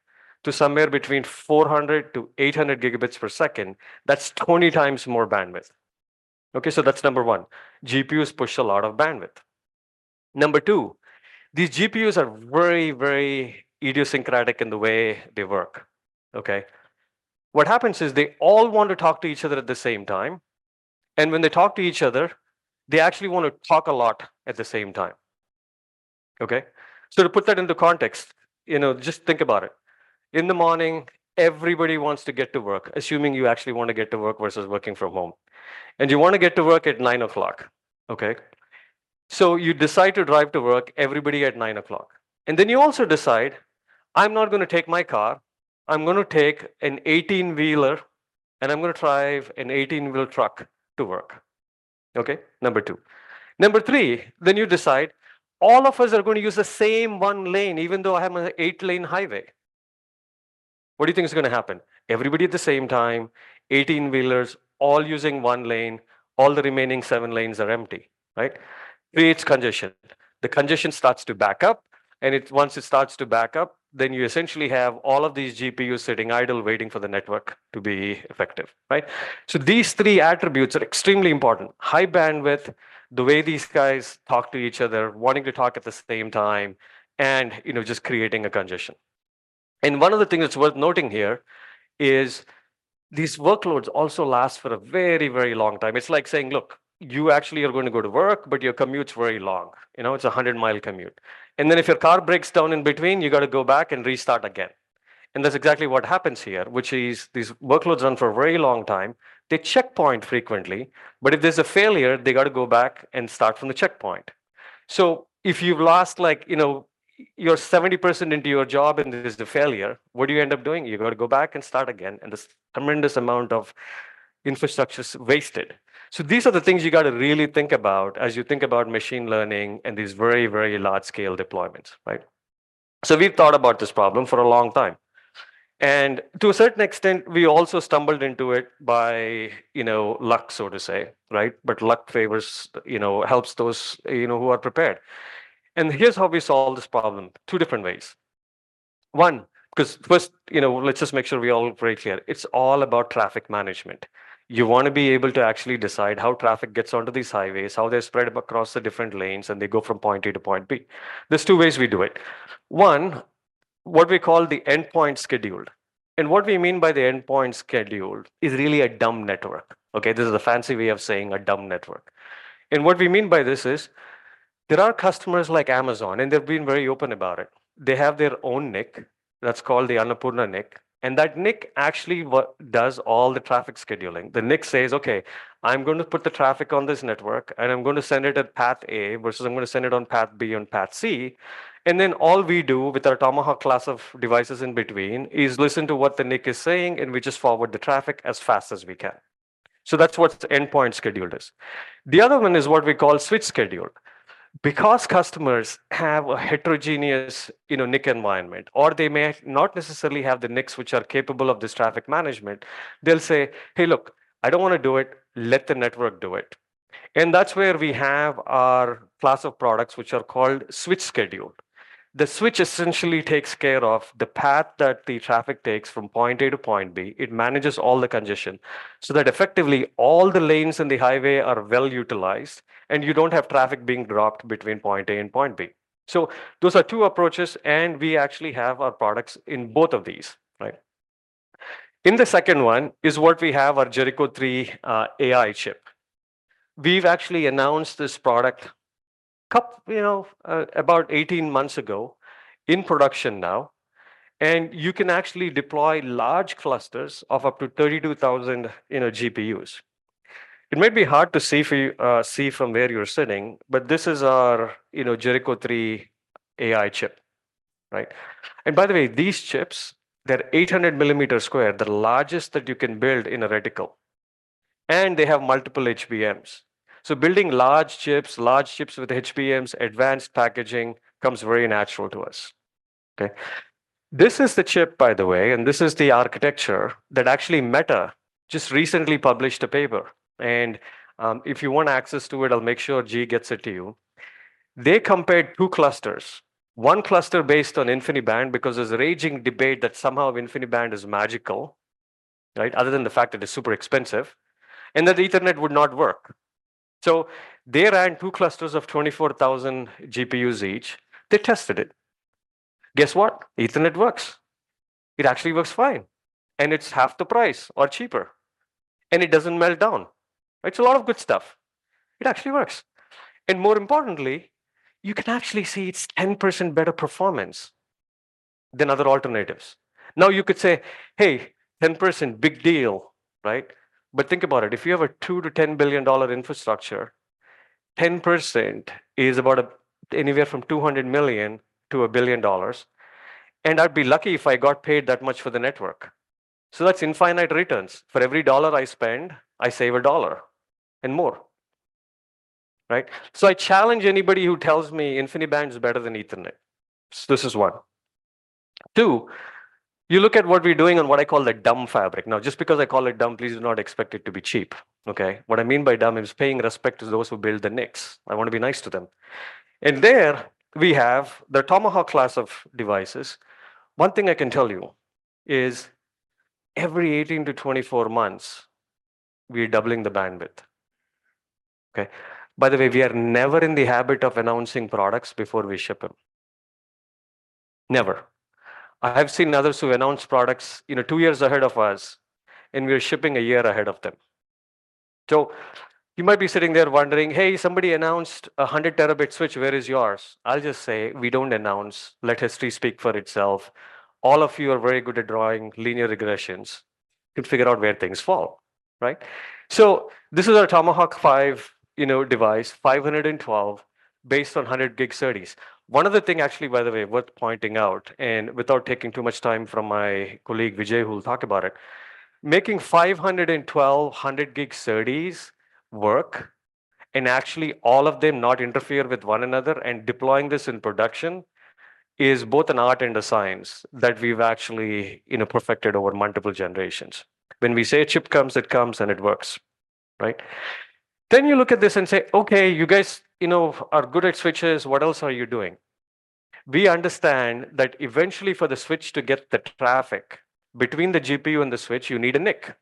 to somewhere between 400 Gbps-800 Gbps. That's 20 times more bandwidth. Okay? So that's number one. GPUs push a lot of bandwidth. Number two, these GPUs are very, very idiosyncratic in the way they work. Okay? What happens is they all want to talk to each other at the same time. When they talk to each other, they actually want to talk a lot at the same time. Okay? So to put that into context, you know, just think about it. In the morning, everybody wants to get to work, assuming you actually want to get to work versus working from home. And you want to get to work at 9:00 A.M. Okay? So you decide to drive to work, everybody, at 9:00 A.M. And then you also decide, I'm not going to take my car. I'm going to take an 18-wheeler, and I'm going to drive an 18-wheel truck to work. Okay? Number two. Number three, then you decide, all of us are going to use the same one lane, even though I have an eight-lane highway. What do you think is going to happen? Everybody at the same time, 18 wheelers, all using one lane, all the remaining 7 lanes are empty. Right? Creates congestion. The congestion starts to back up. And once it starts to back up, then you essentially have all of these GPUs sitting idle, waiting for the network to be effective. Right? So these three attributes are extremely important. High bandwidth, the way these guys talk to each other, wanting to talk at the same time, and, you know, just creating a congestion. And one of the things that's worth noting here is these workloads also last for a very, very long time. It's like saying, look, you actually are going to go to work, but your commute's very long. You know, it's a 100-mile commute. And then if your car breaks down in between, you gotta go back and restart again. And that's exactly what happens here, which is these workloads run for a very long time. They checkpoint frequently. But if there's a failure, they gotta go back and start from the checkpoint. So if you've lost, like, you know, you're 70% into your job and there's the failure, what do you end up doing? You gotta go back and start again, and this tremendous amount of infrastructure is wasted. So these are the things you gotta really think about as you think about machine learning and these very, very large-scale deployments. Right? So we've thought about this problem for a long time. And to a certain extent, we also stumbled into it by, you know, luck, so to say. Right? But luck favors, you know, helps those, you know, who are prepared. And here's how we solve this problem. Two different ways. One, because first, you know, let's just make sure we all break here. It's all about traffic management. You want to be able to actually decide how traffic gets onto these highways, how they're spread across the different lanes, and they go from point A to point B. There's two ways we do it. One, what we call the endpoint scheduled. And what we mean by the endpoint scheduled is really a dumb network. Okay? This is a fancy way of saying a dumb network. And what we mean by this is there are customers like Amazon, and they've been very open about it. They have their own NIC. That's called the Annapurna NIC. And that NIC actually does all the traffic scheduling. The NIC says, okay, I'm going to put the traffic on this network, and I'm going to send it at path A versus I'm going to send it on path B and path C. And then all we do with our Tomahawk class of devices in between is listen to what the NIC is saying, and we just forward the traffic as fast as we can. So that's what endpoint scheduled is. The other one is what we call switch scheduled. Because customers have a heterogeneous, you know, NIC environment, or they may not necessarily have the NICs which are capable of this traffic management, they'll say, hey, look, I don't want to do it. Let the network do it. And that's where we have our class of products which are called switch scheduled. The switch essentially takes care of the path that the traffic takes from point A to point B. It manages all the congestion so that effectively, all the lanes in the highway are well utilized, and you don't have traffic being dropped between point A and point B. So those are two approaches, and we actually have our products in both of these. Right? In the second one is what we have our Jericho3-AI chip. We've actually announced this product a couple, you know, about 18 months ago in production now. And you can actually deploy large clusters of up to 32,000, you know, GPUs. It might be hard to see from where you're sitting, but this is our, you know, Jericho3-AI chip. Right? And by the way, these chips, they're 800 millimeters square, the largest that you can build in a reticle. And they have multiple HBMs. So building large chips, large chips with HBMs, advanced packaging comes very natural to us. Okay? This is the chip, by the way, and this is the architecture that actually Meta just recently published a paper. And, if you want access to it, I'll make sure Ji gets it to you. They compared two clusters. One cluster based on InfiniBand because there's a raging debate that somehow InfiniBand is magical. Right? Other than the fact that it's super expensive. And that Ethernet would not work. So they ran two clusters of 24,000 GPUs each. They tested it. Guess what? Ethernet works. It actually works fine. And it's half the price or cheaper. And it doesn't melt down. Right? It's a lot of good stuff. It actually works. And more importantly, you can actually see it's 10% better performance than other alternatives. Now you could say, hey, 10%, big deal. Right? But think about it. If you have a $2 billion-$10 billion infrastructure, 10% is about anywhere from $200 million to $1 billion. And I'd be lucky if I got paid that much for the network. So that's infinite returns. For every dollar I spend, I save a dollar and more. Right? So I challenge anybody who tells me InfiniBand is better than Ethernet. This is one. Two, you look at what we're doing on what I call the dumb fabric. Now, just because I call it dumb, please do not expect it to be cheap. Okay? What I mean by dumb is paying respect to those who build the NICs. I want to be nice to them. There we have the Tomahawk class of devices. One thing I can tell you is every 18-24 months, we're doubling the bandwidth. Okay? By the way, we are never in the habit of announcing products before we ship them. Never. I have seen others who announce products, you know, two years ahead of us, and we're shipping a year ahead of them. So you might be sitting there wondering, hey, somebody announced a 100 Tb switch. Where is yours? I'll just say, we don't announce. Let history speak for itself. All of you are very good at drawing linear regressions. You can figure out where things fall. Right? So this is our Tomahawk 5, you know, device, 512, based on 100 gig SerDes. One of the things, actually, by the way, worth pointing out, and without taking too much time from my colleague Vijay, who'll talk about it, making 512 100G SerDes work, and actually all of them not interfere with one another and deploying this in production is both an art and a science that we've actually, you know, perfected over multiple generations. When we say a chip comes, it comes, and it works. Right? Then you look at this and say, okay, you guys, you know, are good at switches. What else are you doing? We understand that eventually for the switch to get the traffic between the GPU and the switch, you need a NIC.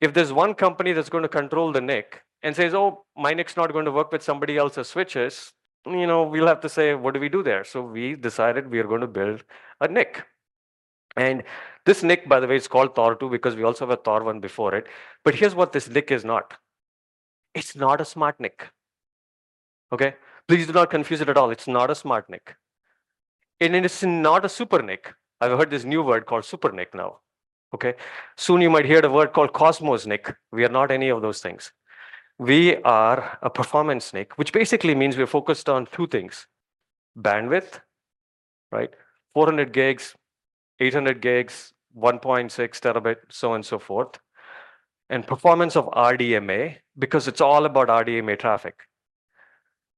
If there's one company that's going to control the NIC and says, oh, my NIC's not going to work with somebody else's switches, you know, we'll have to say, what do we do there? So we decided we are going to build a NIC. And this NIC, by the way, is called Thor 2 because we also have a Thor 1 before it. But here's what this NIC is not. It's not a SmartNIC. Okay? Please do not confuse it at all. It's not a SmartNIC. And it's not a SuperNIC. I've heard this new word called SuperNIC now. Okay? Soon you might hear the word called Cosmos NIC. We are not any of those things. We are a performance NIC, which basically means we're focused on two things. Bandwidth. Right? 400 G, 800 G, 1.6 Tb, so on and so forth. Performance of RDMA, because it's all about RDMA traffic.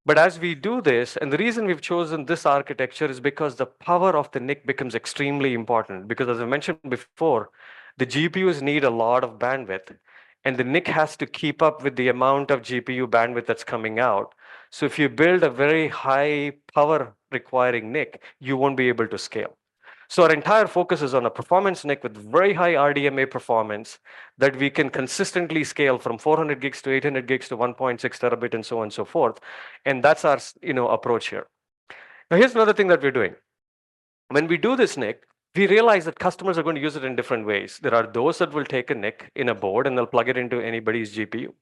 But as we do this, and the reason we've chosen this architecture is because the power of the NIC becomes extremely important, because as I mentioned before, the GPUs need a lot of bandwidth, and the NIC has to keep up with the amount of GPU bandwidth that's coming out. So if you build a very high power requiring NIC, you won't be able to scale. So our entire focus is on a performance NIC with very high RDMA performance that we can consistently scale from 400 G to 800 G to 1.6 Tb and so on and so forth. And that's our, you know, approach here. Now here's another thing that we're doing. When we do this NIC, we realize that customers are going to use it in different ways. There are those that will take a NIC in a board and they'll plug it into anybody's GPU.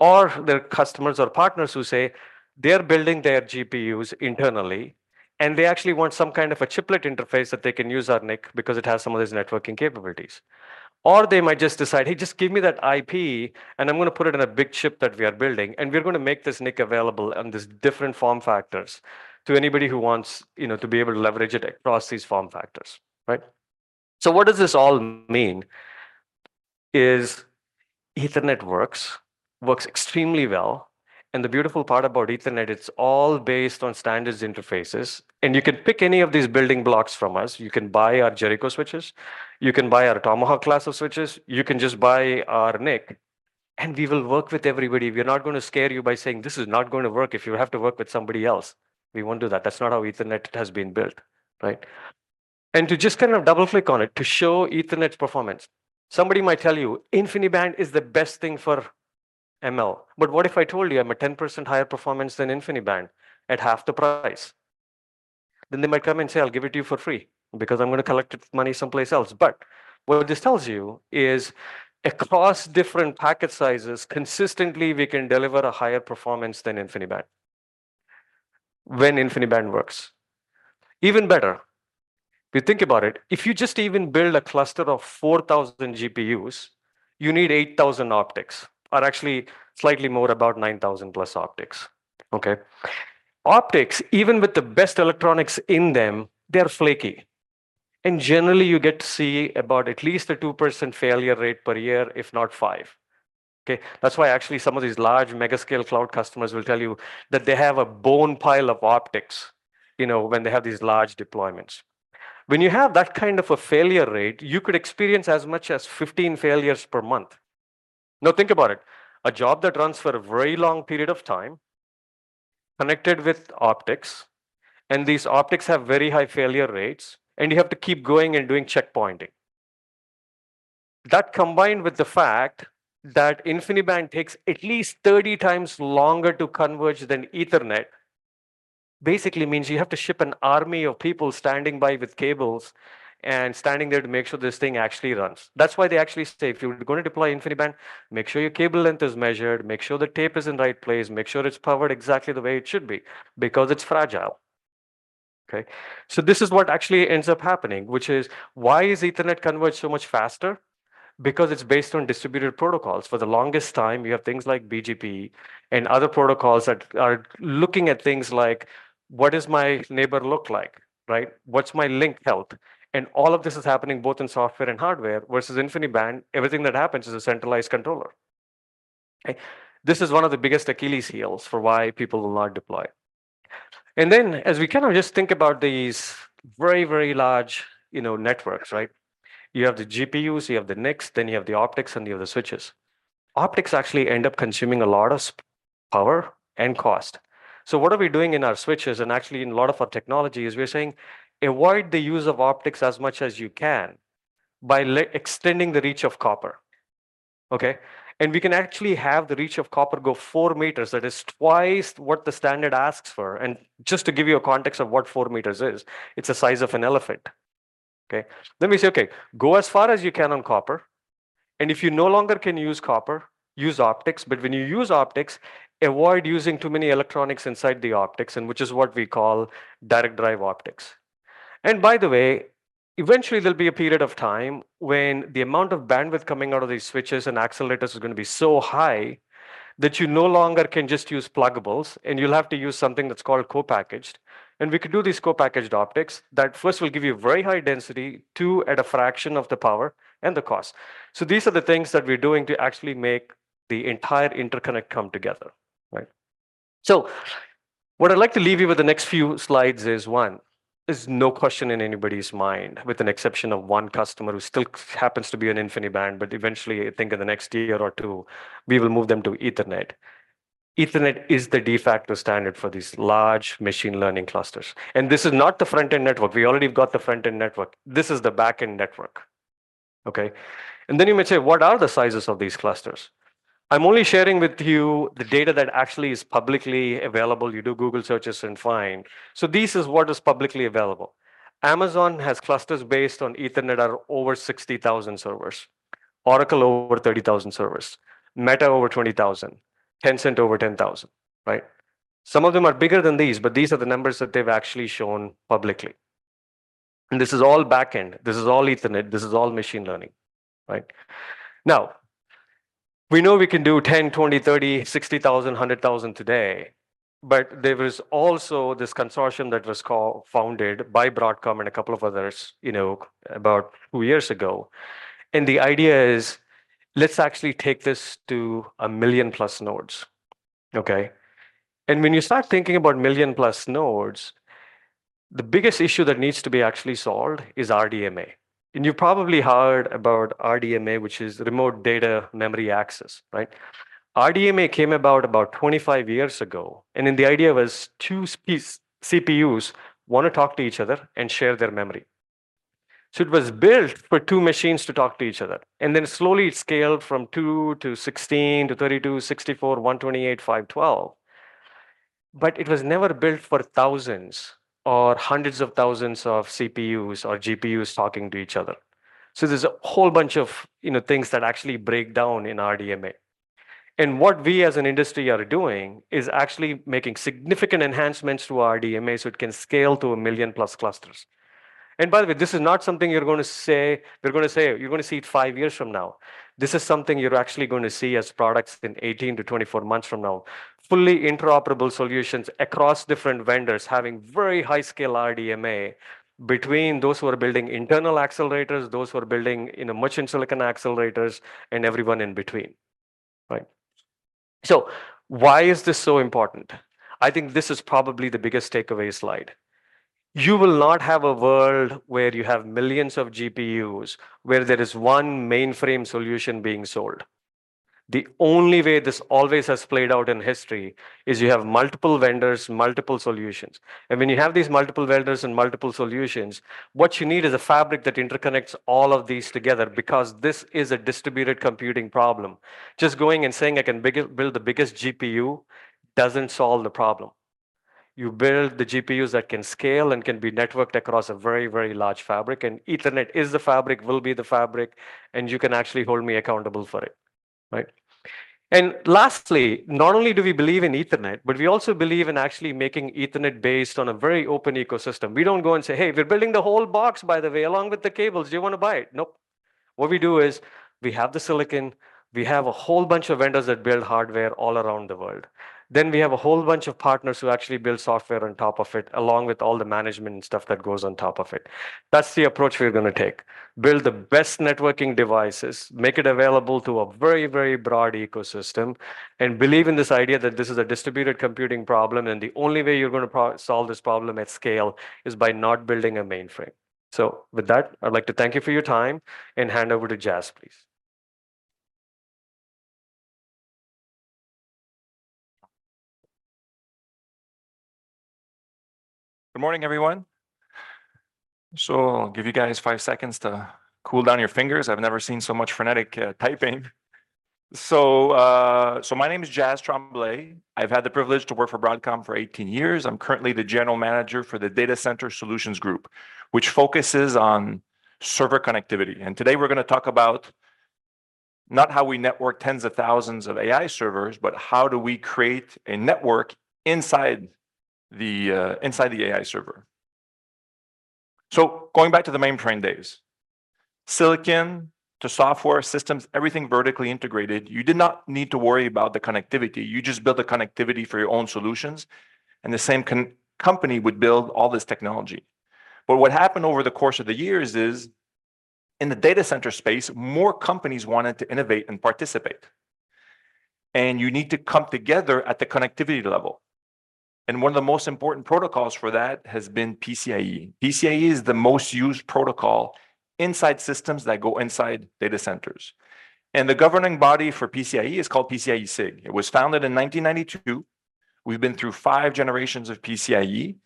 Or there are customers or partners who say they're building their GPUs internally, and they actually want some kind of a chiplet interface that they can use our NIC because it has some of these networking capabilities. Or they might just decide, hey, just give me that IP, and I'm going to put it in a big chip that we are building, and we're going to make this NIC available on these different form factors to anybody who wants, you know, to be able to leverage it across these form factors. Right? So what does this all mean? Ethernet works extremely well. And the beautiful part about Ethernet, it's all based on standards interfaces. And you can pick any of these building blocks from us. You can buy our Jericho switches. You can buy our Tomahawk class of switches. You can just buy our NIC. We will work with everybody. We are not going to scare you by saying, this is not going to work if you have to work with somebody else. We won't do that. That's not how Ethernet has been built. Right? To just kind of double click on it, to show Ethernet's performance, somebody might tell you, InfiniBand is the best thing for ML. But what if I told you I'm a 10% higher performance than InfiniBand at half the price? Then they might come and say, I'll give it to you for free because I'm going to collect it with money someplace else. But what this tells you is across different packet sizes, consistently, we can deliver a higher performance than InfiniBand. When InfiniBand works, even better. If you think about it, if you just even build a cluster of 4,000 GPUs, you need 8,000 optics, or actually slightly more, about 9,000+ optics. Okay? Optics, even with the best electronics in them, they are flaky. And generally, you get to see about at least a 2% failure rate per year, if not 5%. Okay? That's why actually some of these large mega scale cloud customers will tell you that they have a bone pile of optics, you know, when they have these large deployments. When you have that kind of a failure rate, you could experience as much as 15 failures per month. Now think about it. A job that runs for a very long period of time, connected with optics, and these optics have very high failure rates, and you have to keep going and doing checkpointing. That combined with the fact that InfiniBand takes at least 30 times longer to converge than Ethernet basically means you have to ship an army of people standing by with cables and standing there to make sure this thing actually runs. That's why they actually say, if you're going to deploy InfiniBand, make sure your cable length is measured. Make sure the tape is in the right place. Make sure it's powered exactly the way it should be. Because it's fragile. Okay? So this is what actually ends up happening, which is why is Ethernet converged so much faster? Because it's based on distributed protocols. For the longest time, you have things like BGP and other protocols that are looking at things like, what does my neighbor look like? Right? What's my link health? And all of this is happening both in software and hardware versus InfiniBand. Everything that happens is a centralized controller. Okay? This is one of the biggest Achilles heels for why people will not deploy. And then as we kind of just think about these very, very large, you know, networks. Right? You have the GPUs, you have the NICs, then you have the optics, and you have the switches. Optics actually end up consuming a lot of power and cost. So what are we doing in our switches and actually in a lot of our technology is we're saying, avoid the use of optics as much as you can by extending the reach of copper. Okay? And we can actually have the reach of copper go 4 m. That is twice what the standard asks for. And just to give you a context of what 4 m is, it's the size of an elephant. Okay? Then we say, okay, go as far as you can on copper. And if you no longer can use copper, use optics. But when you use optics, avoid using too many electronics inside the optics, and which is what we call direct drive optics. And by the way, eventually there'll be a period of time when the amount of bandwidth coming out of these switches and accelerators is going to be so high that you no longer can just use pluggables, and you'll have to use something that's called co-packaged. And we could do these co-packaged optics that first will give you very high density to at a fraction of the power and the cost. So these are the things that we're doing to actually make the entire interconnect come together. Right? So what I'd like to leave you with the next few slides is one, is no question in anybody's mind, with an exception of one customer who still happens to be an InfiniBand, but eventually I think in the next year or two, we will move them to Ethernet. Ethernet is the de facto standard for these large machine learning clusters. And this is not the front end network. We already have got the front end network. This is the back end network. Okay? And then you may say, what are the sizes of these clusters? I'm only sharing with you the data that actually is publicly available. You do Google searches and find. So this is what is publicly available. Amazon has clusters based on Ethernet that are over 60,000 servers. Oracle, over 30,000 servers. Meta, over 20,000. Tencent, over 10,000. Right? Some of them are bigger than these, but these are the numbers that they've actually shown publicly. This is all back end. This is all Ethernet. This is all machine learning. Right? Now, we know we can do 10,000, 20,000, 30,000 60,000, 100,000 today. But there was also this consortium that was founded by Broadcom and a couple of others, you know, about two years ago. And the idea is, let's actually take this to a 1 million-plus nodes. Okay? And when you start thinking about 1 million-plus nodes, the biggest issue that needs to be actually solved is RDMA. And you've probably heard about RDMA, which is remote direct memory access. Right? RDMA came about about 25 years ago. And then the idea was two CPUs want to talk to each other and share their memory. So it was built for two machines to talk to each other. And then slowly it scaled from two to 16 to 32, 64, 128, 512. But it was never built for thousands or hundreds of thousands of CPUs or GPUs talking to each other. So there's a whole bunch of, you know, things that actually break down in RDMA. And what we as an industry are doing is actually making significant enhancements to RDMA so it can scale to a 1 million-plus clusters. And by the way, this is not something you're going to say we're going to say you're going to see it five years from now. This is something you're actually going to see as products in 18-24 months from now, fully interoperable solutions across different vendors having very high scale RDMA between those who are building internal accelerators, those who are building, you know, custom silicon accelerators, and everyone in between. Right? So why is this so important? I think this is probably the biggest takeaway slide. You will not have a world where you have millions of GPUs where there is one mainframe solution being sold. The only way this always has played out in history is you have multiple vendors, multiple solutions. And when you have these multiple vendors and multiple solutions, what you need is a fabric that interconnects all of these together because this is a distributed computing problem. Just going and saying I can build the biggest GPU doesn't solve the problem. You build the GPUs that can scale and can be networked across a very, very large fabric. And Ethernet is the fabric, will be the fabric, and you can actually hold me accountable for it. Right? And lastly, not only do we believe in Ethernet, but we also believe in actually making Ethernet based on a very open ecosystem. We don't go and say, hey, we're building the whole box, by the way, along with the cables. Do you want to buy it? Nope. What we do is, we have the silicon. We have a whole bunch of vendors that build hardware all around the world. Then we have a whole bunch of partners who actually build software on top of it, along with all the management and stuff that goes on top of it. That's the approach we're going to take. Build the best networking devices, make it available to a very, very broad ecosystem, and believe in this idea that this is a distributed computing problem. The only way you're going to solve this problem at scale is by not building a mainframe. With that, I'd like to thank you for your time. Hand over to Jas, please. Good morning, everyone. So I'll give you guys five seconds to cool down your fingers. I've never seen so much frenetic typing. So, my name is Jas Tremblay. I've had the privilege to work for Broadcom for 18 years. I'm currently the general manager for the Data Center Solutions Group, which focuses on server connectivity. And today we're going to talk about not how we network tens of thousands of AI servers, but how do we create a network inside the AI server. So going back to the mainframe days, silicon to software systems, everything vertically integrated, you did not need to worry about the connectivity. You just built a connectivity for your own solutions. And the same company would build all this technology. But what happened over the course of the years is in the data center space, more companies wanted to innovate and participate. You need to come together at the connectivity level. One of the most important protocols for that has been PCIe. PCIe is the most used protocol inside systems that go inside data centers. The governing body for PCIe is called PCI-SIG. It was founded in 1992. We've been through five generations of PCIe.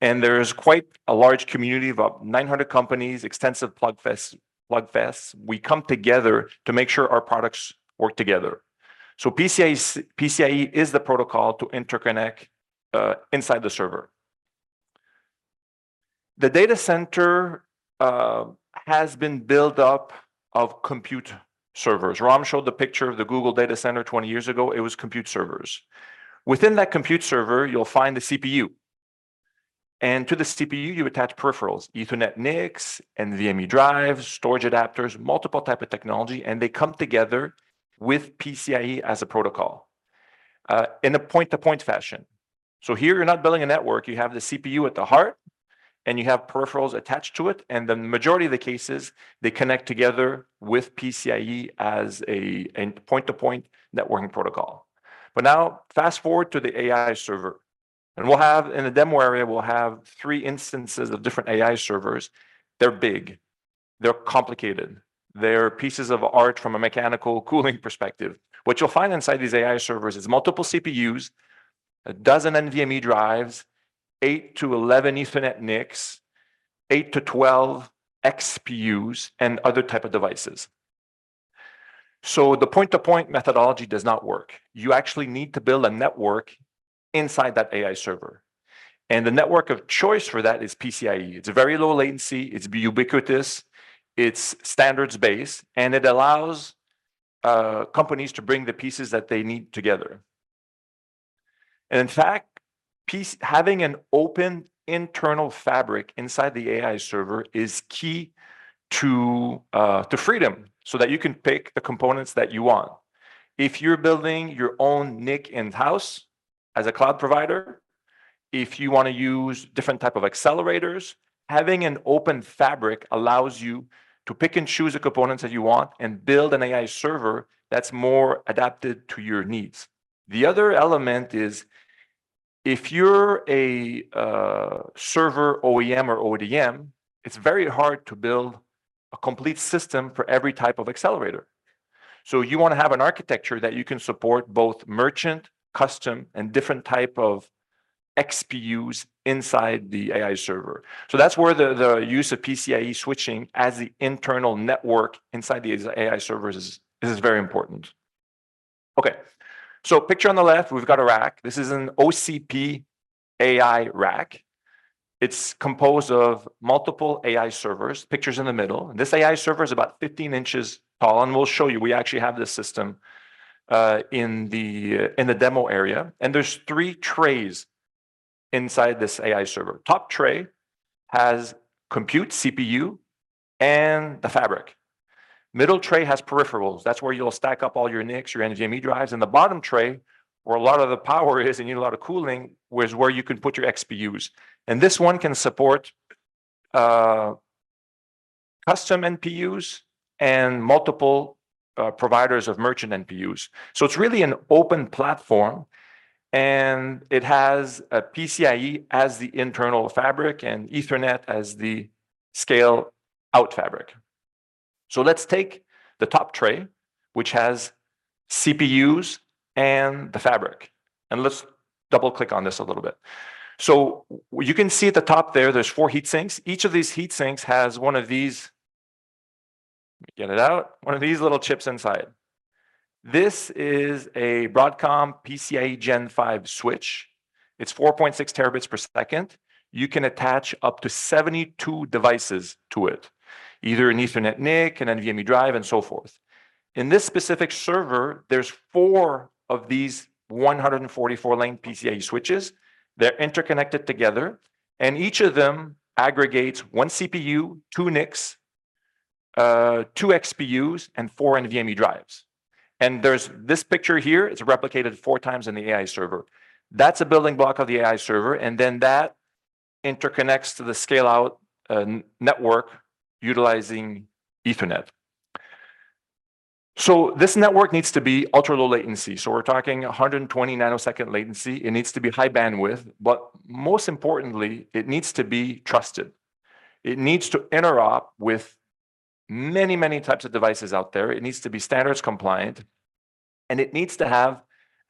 There is quite a large community of about 900 companies, extensive plugfests, plugfests. We come together to make sure our products work together. PCIe is the protocol to interconnect inside the server. The data center has been built up of compute servers. Ram showed the picture of the Google data center 20 years ago. It was compute servers. Within that compute server, you'll find the CPU. To the CPU, you attach peripherals, Ethernet NICs, NVMe drives, storage adapters, multiple types of technology, and they come together with PCIe as a protocol, in a point-to-point fashion. Here you're not building a network. You have the CPU at the heart. And you have peripherals attached to it. And the majority of the cases, they connect together with PCIe as a point-to-point networking protocol. Now fast forward to the AI server. And we'll have in the demo area, we'll have three instances of different AI servers. They're big. They're complicated. They're pieces of art from a mechanical cooling perspective. What you'll find inside these AI servers is multiple CPUs, 12 NVMe drives, 8-11 Ethernet NICs, 8-12 XPUs, and other types of devices. The point-to-point methodology does not work. You actually need to build a network inside that AI server. The network of choice for that is PCIe. It's very low latency. It's ubiquitous. It's standards based, and it allows companies to bring the pieces that they need together. In fact, having an open internal fabric inside the AI server is key to freedom so that you can pick the components that you want. If you're building your own NIC in-house as a cloud provider, if you want to use different types of accelerators, having an open fabric allows you to pick and choose the components that you want and build an AI server that's more adapted to your needs. The other element is, if you're a server OEM or ODM, it's very hard to build a complete system for every type of accelerator. So you want to have an architecture that you can support both merchant, custom, and different types of XPUs inside the AI server. So that's where the use of PCIe switching as the internal network inside the AI servers is very important. Okay. So picture on the left, we've got a rack. This is an OCP AI rack. It's composed of multiple AI servers, pictures in the middle. And this AI server is about 15 inches tall. And we'll show you. We actually have this system in the demo area. And there's three trays inside this AI server. Top tray has compute, CPU, and the fabric. Middle tray has peripherals. That's where you'll stack up all your NICs, your NVMe drives. And the bottom tray, where a lot of the power is and you need a lot of cooling, where you can put your XPUs. And this one can support custom NPUs and multiple providers of merchant NPUs. So it's really an open platform. And it has a PCIe as the internal fabric and Ethernet as the scale out fabric. So let's take the top tray, which has CPUs and the fabric. And let's double click on this a little bit. So you can see at the top there, there's four heatsinks. Each of these heatsinks has one of these. Let me get it out. One of these little chips inside. This is a Broadcom PCIe Gen 5 switch. It's 4.6 Tbps. You can attach up to 72 devices to it, either an Ethernet NIC, an NVMe drive, and so forth. In this specific server, there's four of these 144-lane PCIe switches. They're interconnected together. Each of them aggregates 1 CPU, 2 NICs, 2 XPUs, and 4 NVMe drives. There's this picture here. It's replicated four times in the AI server. That's a building block of the AI server. That interconnects to the scale-out network utilizing Ethernet. This network needs to be ultra-low latency. We're talking 120 ns latency. It needs to be high bandwidth. But most importantly, it needs to be trusted. It needs to interop with many, many types of devices out there. It needs to be standards compliant. It needs to have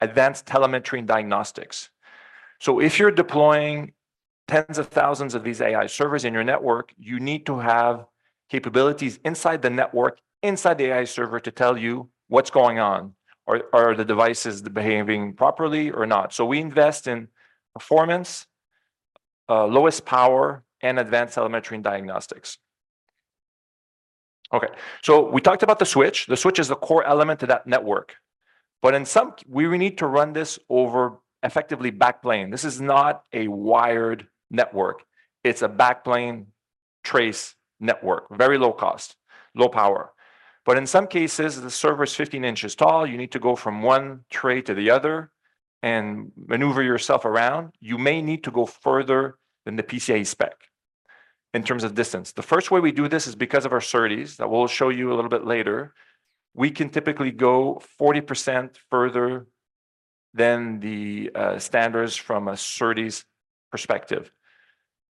advanced telemetry and diagnostics. If you're deploying tens of thousands of these AI servers in your network, you need to have capabilities inside the network, inside the AI server to tell you what's going on, or are the devices behaving properly or not. So we invest in performance, lowest power, and advanced telemetry and diagnostics. Okay. So we talked about the switch. The switch is the core element to that network. But in some we need to run this over effectively backplane. This is not a wired network. It's a backplane trace network, very low cost, low power. But in some cases, the server's 15 inches tall. You need to go from one tray to the other and maneuver yourself around. You may need to go further than the PCIe spec in terms of distance. The first way we do this is because of our SerDes that we'll show you a little bit later. We can typically go 40% further than the standards from a SerDes perspective.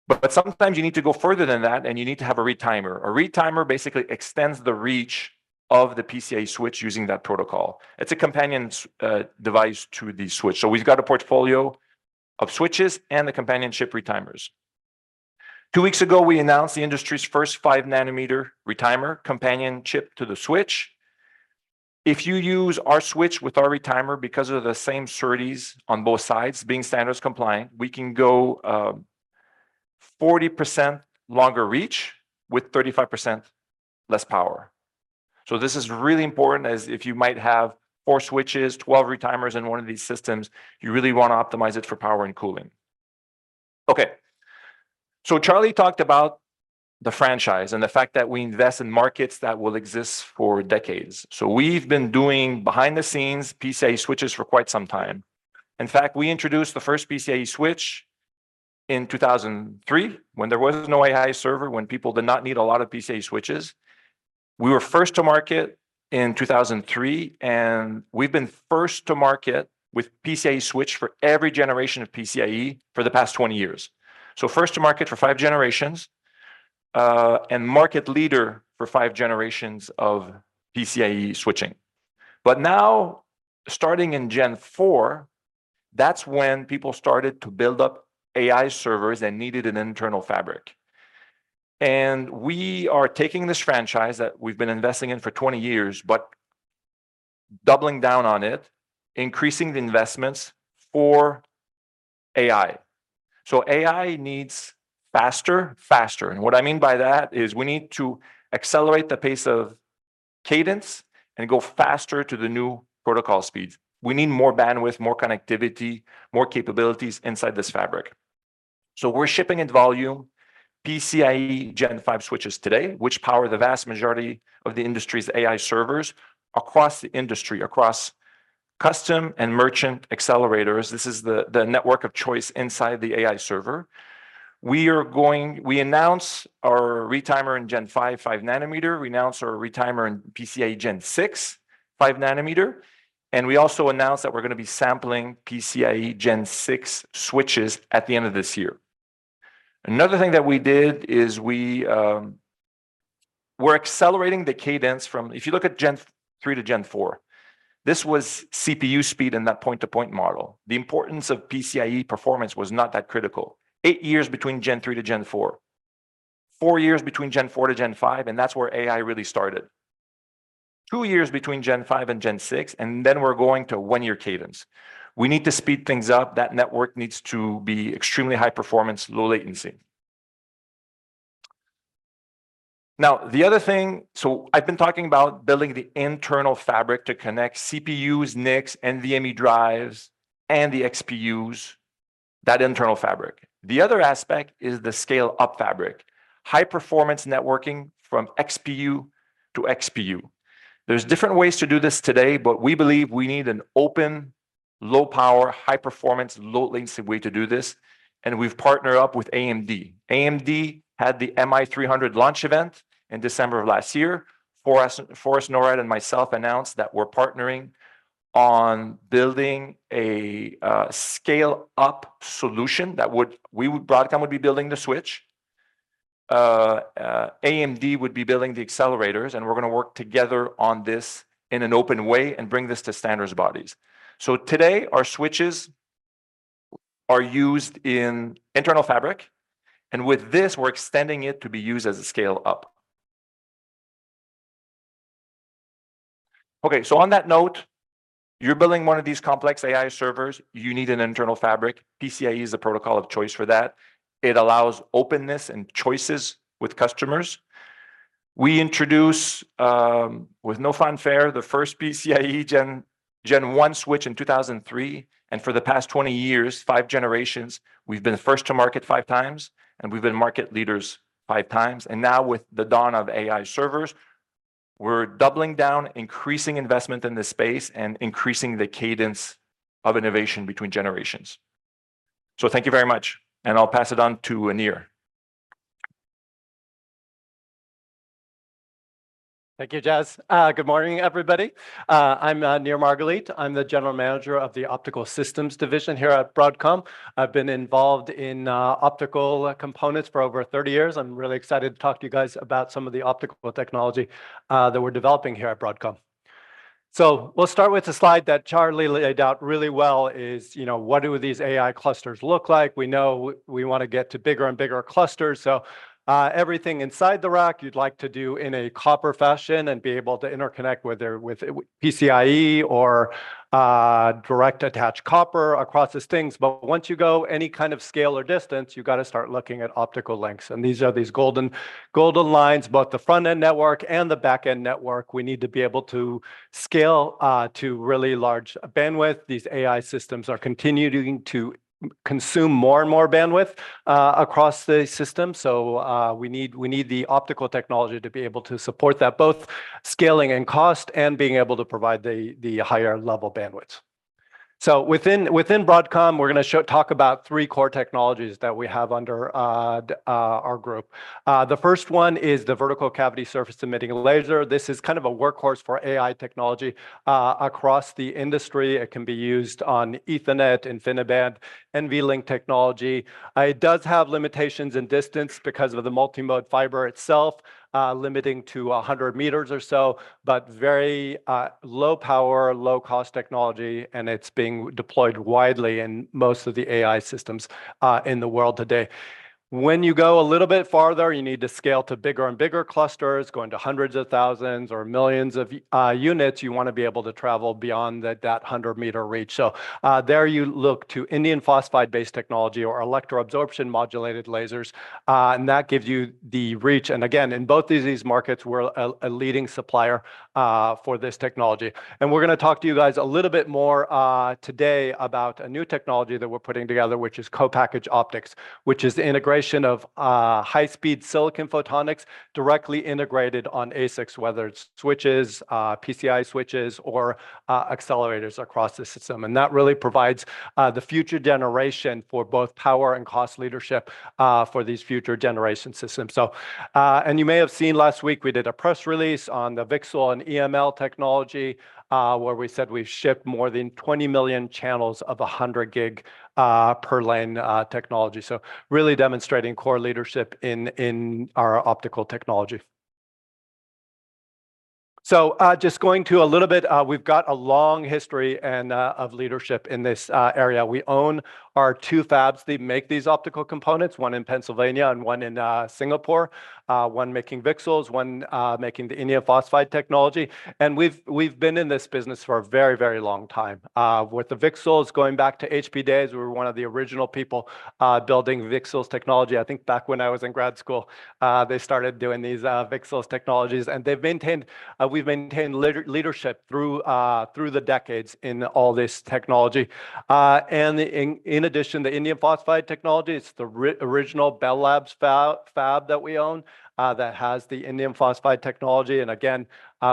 But sometimes you need to go further than that, and you need to have a retimer. A retimer basically extends the reach of the PCIe switch using that protocol. It's a companion device to the switch. So we've got a portfolio of switches and the companionship retimers. Two weeks ago, we announced the industry's first 5 nm retimer companion chip to the switch. If you use our switch with our retimer because of the same SerDes on both sides being standards compliant, we can go 40% longer reach with 35% less power. So this is really important, as if you might have 4 switches, 12 retimers in one of these systems, you really want to optimize it for power and cooling. Okay. So Charlie talked about the franchise and the fact that we invest in markets that will exist for decades. So we've been doing behind the scenes PCIe switches for quite some time. In fact, we introduced the first PCIe switch in 2003 when there was no AI server, when people did not need a lot of PCIe switches. We were first to market in 2003, and we've been first to market with PCIe switch for every generation of PCIe for the past 20 years. So first to market for five generations and market leader for five generations of PCIe switching. But now, starting in Gen 4, that's when people started to build up AI servers and needed an internal fabric. And we are taking this franchise that we've been investing in for 20 years, but doubling down on it, increasing the investments for AI. So AI needs faster, faster. And what I mean by that is we need to accelerate the pace of cadence and go faster to the new protocol speeds. We need more bandwidth, more connectivity, more capabilities inside this fabric. So we're shipping in volume PCIe Gen 5 switches today, which power the vast majority of the industry's AI servers across the industry, across custom and merchant accelerators. This is the network of choice inside the AI server. We are going to announce our retimer in Gen 5, 5 nm. We announce our retimer in PCIe Gen 6, 5 nm. We also announce that we're going to be sampling PCIe Gen 6 switches at the end of this year. Another thing that we did is we're accelerating the cadence from if you look at Gen 3 to Gen 4. This was CPU speed in that point to point model. The importance of PCIe performance was not that critical. Eight years between Gen 3 to Gen 4. Four years between Gen 4 to Gen 5, and that's where AI really started. Two years between Gen 5 and Gen 6, and then we're going to one-year cadence. We need to speed things up. That network needs to be extremely high-performance, low-latency. Now, the other thing so I've been talking about building the internal fabric to connect CPUs, NICs, NVMe drives, and the XPUs, that internal fabric. The other aspect is the scale-up fabric, high-performance networking from XPU to XPU. There's different ways to do this today, but we believe we need an open, low-power, high-performance, low-latency way to do this. And we've partnered up with AMD. AMD had the MI300 launch event in December of last year. For us, Norrod and myself announced that we're partnering on building a scale-up solution that would we would Broadcom would be building the switch. AMD would be building the accelerators, and we're going to work together on this in an open way and bring this to standards bodies. So today, our switches are used in internal fabric. And with this, we're extending it to be used as a scale-up. Okay. So on that note, you're building one of these complex AI servers. You need an internal fabric. PCIe is the protocol of choice for that. It allows openness and choices with customers. We introduce, with no fanfare, the first PCIe Gen 1 switch in 2003. And for the past 20 years, five generations, we've been first to market 5 times, and we've been market leaders 5 times. And now, with the dawn of AI servers, we're doubling down, increasing investment in this space, and increasing the cadence of innovation between generations. So thank you very much. And I'll pass it on to Near. Thank you, Jas. Good morning, everybody. I'm Near Margalit. I'm the general manager of the Optical Systems Division here at Broadcom. I've been involved in optical components for over 30 years. I'm really excited to talk to you guys about some of the optical technology that we're developing here at Broadcom. So we'll start with a slide that Charlie laid out really well, you know, what do these AI clusters look like? We know we want to get to bigger and bigger clusters. So everything inside the rack you'd like to do in a copper fashion and be able to interconnect with PCIe or direct attach copper across these things. But once you go any kind of scale or distance, you've got to start looking at optical lengths. And these are the golden lines, both the front end network and the back end network. We need to be able to scale to really large bandwidth. These AI systems are continuing to consume more and more bandwidth across the system. So, we need the optical technology to be able to support that, both scaling and cost, and being able to provide the higher level bandwidths. So within Broadcom, we're going to talk about three core technologies that we have under our group. The first one is the Vertical Cavity Surface Emitting Laser. This is kind of a workhorse for AI technology across the industry. It can be used on Ethernet, InfiniBand, NVLink technology. It does have limitations in distance because of the multimode fiber itself, limiting to 100 m or so, but very low power, low cost technology, and it's being deployed widely in most of the AI systems in the world today. When you go a little bit farther, you need to scale to bigger and bigger clusters, going to hundreds of thousands or millions of units. You want to be able to travel beyond that 100 m reach. So, there you look to Indium Phosphide-based technology or electro-absorption modulated lasers, and that gives you the reach. And again, in both of these markets, we're a leading supplier for this technology. And we're going to talk to you guys a little bit more today about a new technology that we're putting together, which is co-packaged optics, which is the integration of high-speed silicon photonics directly integrated on ASICs, whether it's switches, PCIe switches, or accelerators across the system. And that really provides the future generation for both power and cost leadership for these future generation systems. So, you may have seen last week, we did a press release on the VCSEL and EML technology, where we said we've shipped more than 20 million channels of 100 G per lane technology. So really demonstrating core leadership in our optical technology. So, just going to a little bit, we've got a long history of leadership in this area. We own our two fabs that make these optical components, one in Pennsylvania and one in Singapore, one making VCSELs, one making the Indium Phosphide technology. And we've been in this business for a very, very long time, with the VCSELs going back to HP days, we were one of the original people building VCSEL technology. I think back when I was in grad school, they started doing these VCSEL technologies, and they've maintained, we've maintained leadership through the decades in all this technology. In addition, the Indium Phosphide technology, it's the original Bell Labs fab that we own, that has the Indium Phosphide technology. And again,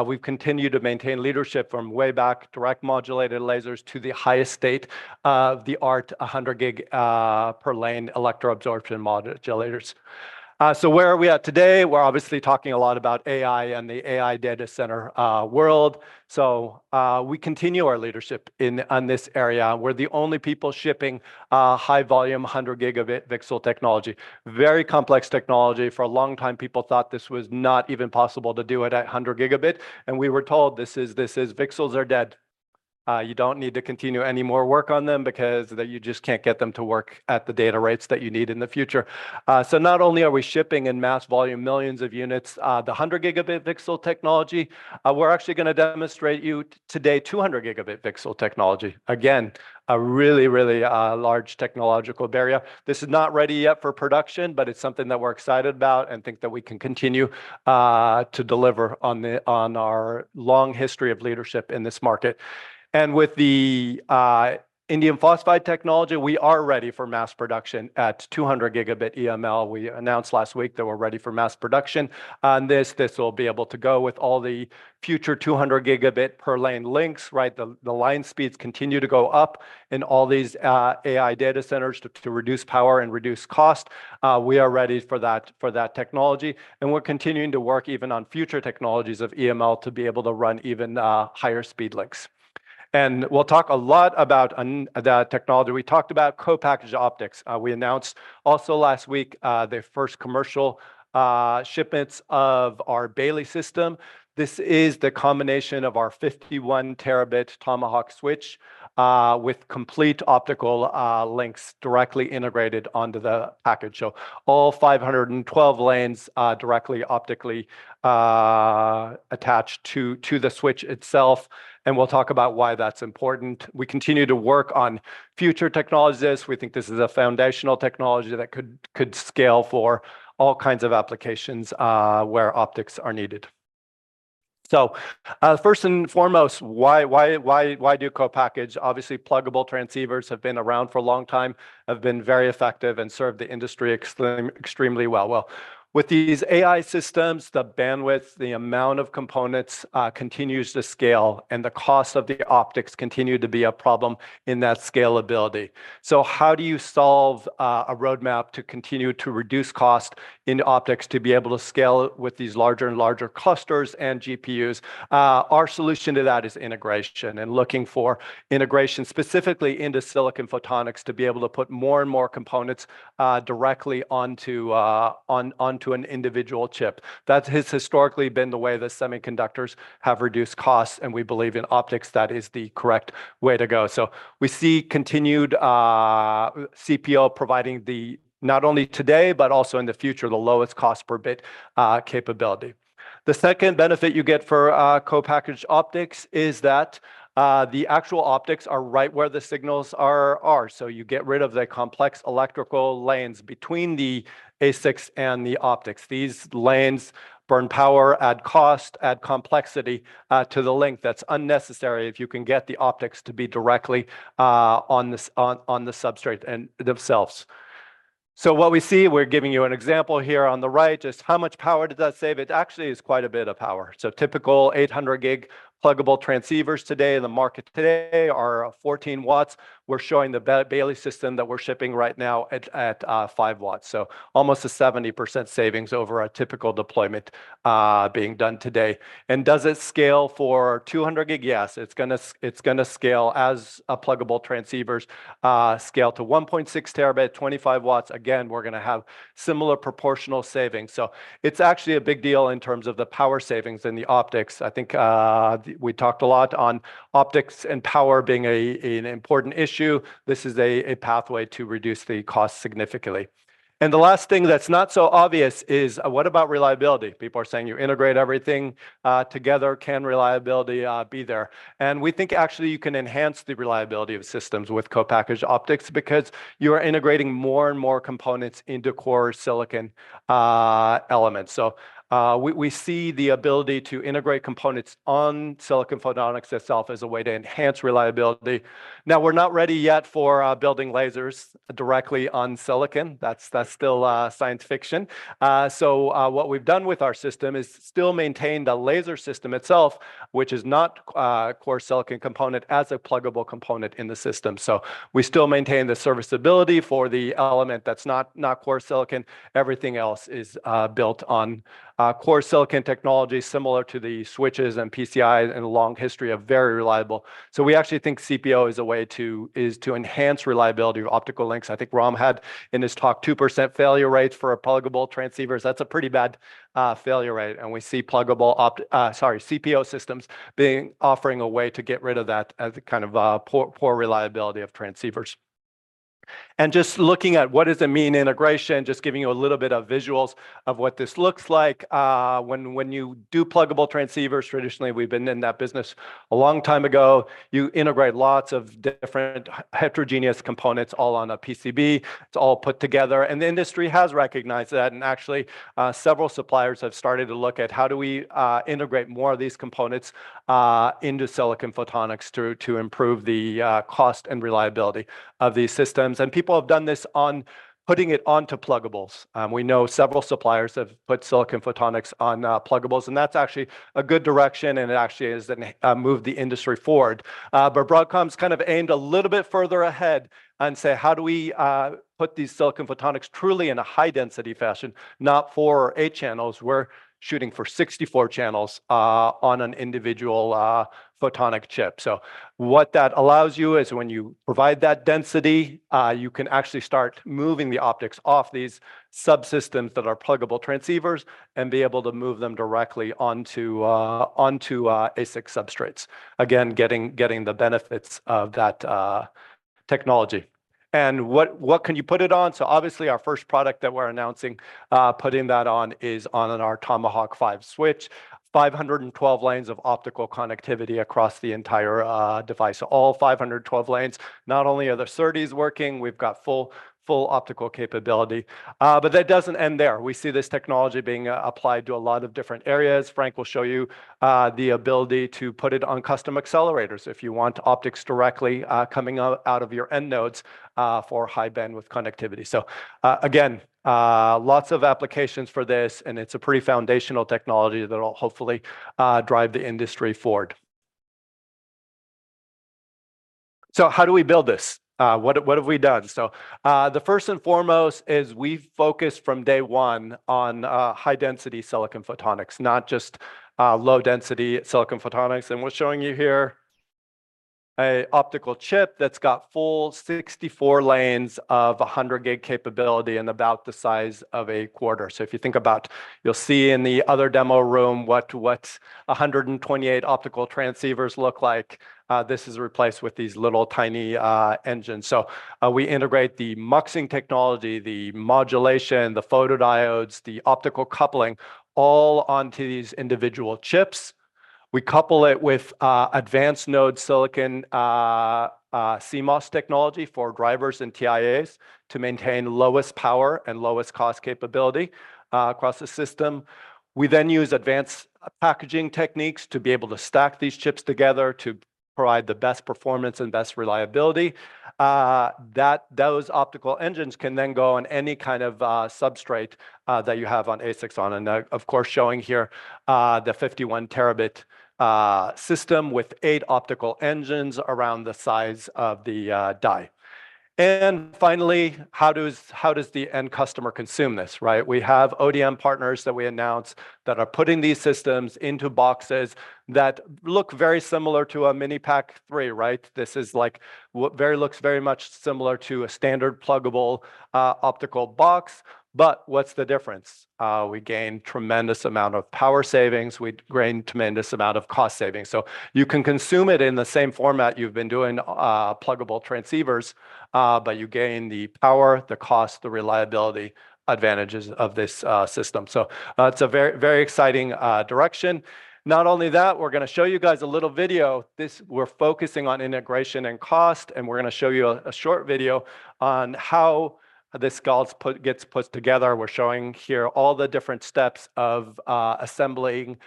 we've continued to maintain leadership from way back direct modulated lasers to the highest state-of-the-art 100 G per lane electro-absorption modulators. So where are we at today? We're obviously talking a lot about AI and the AI data center world. So we continue our leadership in this area. We're the only people shipping high-volume 100 Gb VCSEL technology. Very complex technology. For a long time, people thought this was not even possible to do it at 100 Gb. And we were told this is this is VCSELs are dead. You don't need to continue any more work on them because that you just can't get them to work at the data rates that you need in the future. So not only are we shipping in mass volume millions of units, the 100 Gb VCSEL technology, we're actually going to demonstrate you today 200 Gb VCSEL technology. Again, a really, really, large technological barrier. This is not ready yet for production, but it's something that we're excited about and think that we can continue to deliver on our long history of leadership in this market. And with the Indium Phosphide technology, we are ready for mass production at 200 gigabit EML. We announced last week that we're ready for mass production on this. This will be able to go with all the future 200 Gb per lane links, right? The line speeds continue to go up in all these AI data centers to reduce power and reduce cost. We are ready for that technology. And we're continuing to work even on future technologies of EML to be able to run even higher speed links. And we'll talk a lot about that technology. We talked about co-packaged optics. We announced also last week the first commercial shipments of our Bailly system. This is the combination of our 51 Tb Tomahawk switch with complete optical links directly integrated onto the package. So all 512 lanes directly optically attached to the switch itself. And we'll talk about why that's important. We continue to work on future technologies. We think this is a foundational technology that could scale for all kinds of applications where optics are needed. So, first and foremost, why why why why do co-packaged? Obviously, pluggable transceivers have been around for a long time, have been very effective and served the industry extremely well. Well, with these AI systems, the bandwidth, the amount of components, continues to scale, and the cost of the optics continue to be a problem in that scalability. So how do you solve a roadmap to continue to reduce cost in optics to be able to scale with these larger and larger clusters and GPUs? Our solution to that is integration and looking for integration specifically into silicon photonics to be able to put more and more components directly onto an individual chip. That has historically been the way that semiconductors have reduced costs, and we believe in optics that is the correct way to go. So we see continued CPO providing not only today, but also in the future, the lowest cost per bit capability. The second benefit you get for co-packaged optics is that the actual optics are right where the signals are. So you get rid of the complex electrical lanes between the ASICs and the optics. These lanes burn power, add cost, add complexity to the link. That's unnecessary if you can get the optics to be directly on the substrate themselves. So what we see we're giving you an example here on the right. Just how much power does that save? It actually is quite a bit of power. So typical 800 G pluggable transceivers today in the market today are 14 W. We're showing the Bailly system that we're shipping right now at 5 W. So almost a 70% savings over a typical deployment being done today. And does it scale for 200 G? Yes. It's going to, it's going to scale as pluggable transceivers, scale to 1.6 Tb, 25 W. Again, we're going to have similar proportional savings. So it's actually a big deal in terms of the power savings and the optics. I think we talked a lot on optics and power being an important issue. This is a pathway to reduce the cost significantly. And the last thing that's not so obvious is what about reliability? People are saying you integrate everything together. Can reliability be there? And we think actually you can enhance the reliability of systems with co-packaged optics because you are integrating more and more components into core silicon elements. So, we see the ability to integrate components on silicon photonics itself as a way to enhance reliability. Now, we're not ready yet for building lasers directly on silicon. That's still science fiction. So, what we've done with our system is still maintain the laser system itself, which is not core silicon component as a pluggable component in the system. So we still maintain the serviceability for the element that's not core silicon. Everything else is built on core silicon technology similar to the switches and PCIe and a long history of very reliable. So we actually think CPO is a way to enhance reliability of optical links. I think Ram had in his talk 2% failure rates for pluggable transceivers. That's a pretty bad failure rate. And we see pluggable optics, sorry, CPO systems being offered a way to get rid of that as kind of poor reliability of transceivers. And just looking at what integration means, just giving you a little bit of visuals of what this looks like. When you do pluggable transceivers, traditionally we've been in that business a long time ago. You integrate lots of different heterogeneous components all on a PCB. It's all put together. And the industry has recognized that. And actually, several suppliers have started to look at how do we integrate more of these components into silicon photonics to improve the cost and reliability of these systems. And people have done this on putting it onto pluggables. We know several suppliers have put silicon photonics on pluggables. And that's actually a good direction. And it actually has moved the industry forward. But Broadcom's kind of aimed a little bit further ahead and say how do we put these Silicon Photonics truly in a high density fashion, not four or eight channels. We're shooting for 64 channels on an individual photonic chip. So what that allows you is when you provide that density, you can actually start moving the optics off these subsystems that are pluggable transceivers and be able to move them directly onto ASIC substrates. Again, getting the benefits of that technology. And what can you put it on? So obviously our first product that we're announcing putting that on is on our Tomahawk 5 switch, 512 lanes of optical connectivity across the entire device. All 512 lanes. Not only are the SerDes working, we've got full optical capability. But that doesn't end there. We see this technology being applied to a lot of different areas. Frank will show you the ability to put it on custom accelerators if you want optics directly, coming out of your end nodes, for high bandwidth connectivity. So, again, lots of applications for this. And it's a pretty foundational technology that will hopefully drive the industry forward. So how do we build this? What have we done? So, the first and foremost is we focus from day one on high density silicon photonics, not just low density silicon photonics. And we're showing you here an optical chip that's got full 64 lanes of 100 G capability and about the size of a quarter. So if you think about, you'll see in the other demo room what 128 optical transceivers look like. This is replaced with these little tiny engines. So, we integrate the muxing technology, the modulation, the photodiodes, the optical coupling all onto these individual chips. We couple it with advanced node silicon, CMOS technology for drivers and TIAs to maintain lowest power and lowest cost capability across the system. We then use advanced packaging techniques to be able to stack these chips together to provide the best performance and best reliability. That those optical engines can then go on any kind of substrate that you have on ASICs on. And of course showing here, the 51 Tb system with eight optical engines around the size of the die. And finally, how does the end customer consume this? Right? We have ODM partners that we announced that are putting these systems into boxes that look very similar to a Minipack 3, right? This is like what it looks very much similar to a standard pluggable optical box. But what's the difference? We gain tremendous amount of power savings. We gain tremendous amount of cost savings. So you can consume it in the same format you've been doing, pluggable transceivers, but you gain the power, the cost, the reliability advantages of this system. So, it's a very very exciting direction. Not only that, we're going to show you guys a little video. This we're focusing on integration and cost. And we're going to show you a short video on how this all gets put together. We're showing here all the different steps of assembling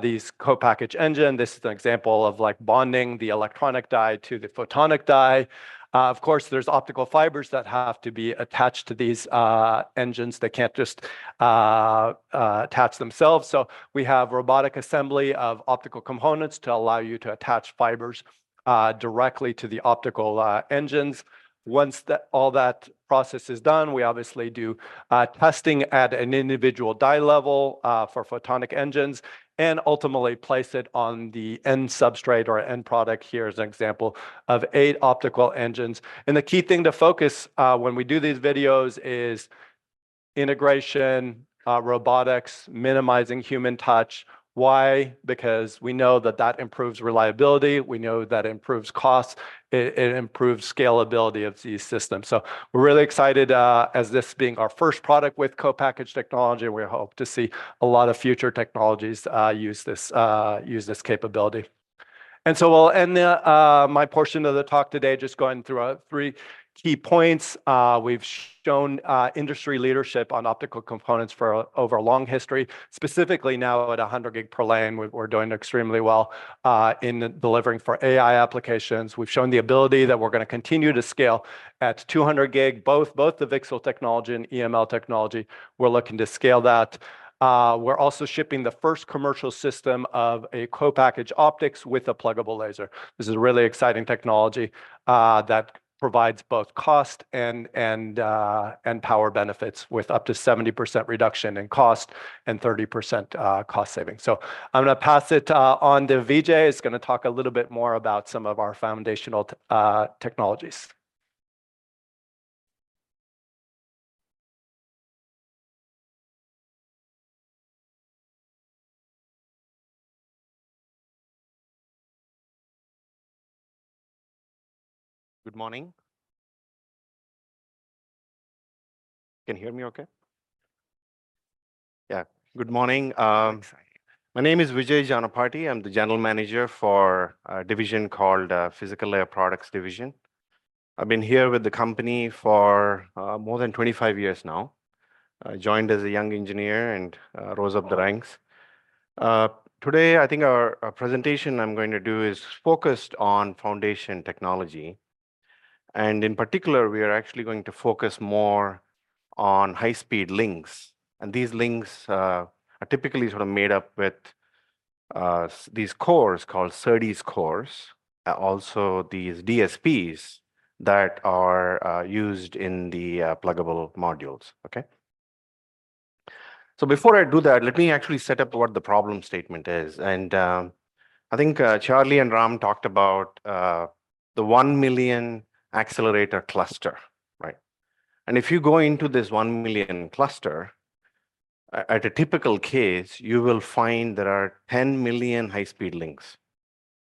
these co-packaged engines. This is an example of like bonding the electronic die to the photonic die. Of course, there's optical fibers that have to be attached to these engines. They can't just attach themselves. So we have robotic assembly of optical components to allow you to attach fibers directly to the optical engines. Once all that process is done, we obviously do testing at an individual die level for photonic engines and ultimately place it on the end substrate or end product here as an example of eight optical engines. And the key thing to focus when we do these videos is integration, robotics, minimizing human touch. Why? Because we know that that improves reliability. We know that improves costs. It improves scalability of these systems. So we're really excited, as this being our first product with co-packaged technology, and we hope to see a lot of future technologies use this, use this capability. And so we'll end my portion of the talk today just going through three key points. We've shown industry leadership on optical components for over a long history. Specifically now at 100 G per lane, we're doing extremely well in delivering for AI applications. We've shown the ability that we're going to continue to scale at 200 G, both the VCSEL technology and EML technology. We're looking to scale that. We're also shipping the first commercial system of a co-packaged optics with a pluggable laser. This is a really exciting technology that provides both cost and power benefits with up to 70% reduction in cost and 30% cost savings. So I'm going to pass it on to Vijay. He's going to talk a little bit more about some of our foundational technologies. Good morning. Can you hear me okay? Yeah. Good morning. My name is Vijay Janapaty. I'm the general manager for a division called Physical Layer Products Division. I've been here with the company for more than 25 years now. I joined as a young engineer and rose up the ranks. Today I think our presentation I'm going to do is focused on foundation technology. In particular, we are actually going to focus more on high-speed links. And these links are typically sort of made up with these cores called SerDes cores, also these DSPs that are used in the pluggable modules. Okay? So before I do that, let me actually set up what the problem statement is. I think Charlie and Ram talked about the 1 million accelerator cluster, right? If you go into this 1 million cluster, at a typical case, you will find there are 10 million high-speed links.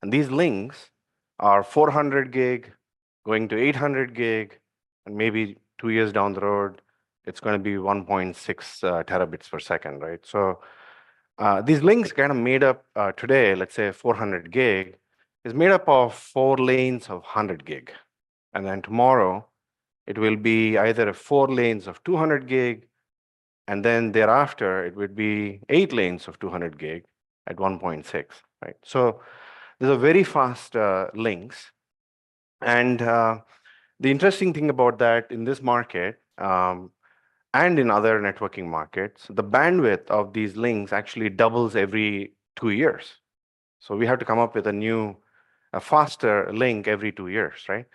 And these links are 400 G going to 800 G. Maybe two years down the road, it's going to be 1.6 Tbps, right? So, these links kind of made up, today, let's say 400 G is made up of four lanes of 100 G. And then tomorrow, it will be either four lanes of 200 G. And then thereafter, it would be eight lanes of 200 G at 1.6 Tbps, right? So these are very fast links. And the interesting thing about that in this market, and in other networking markets, the bandwidth of these links actually doubles every two years. So we have to come up with a new, faster link every two years, right?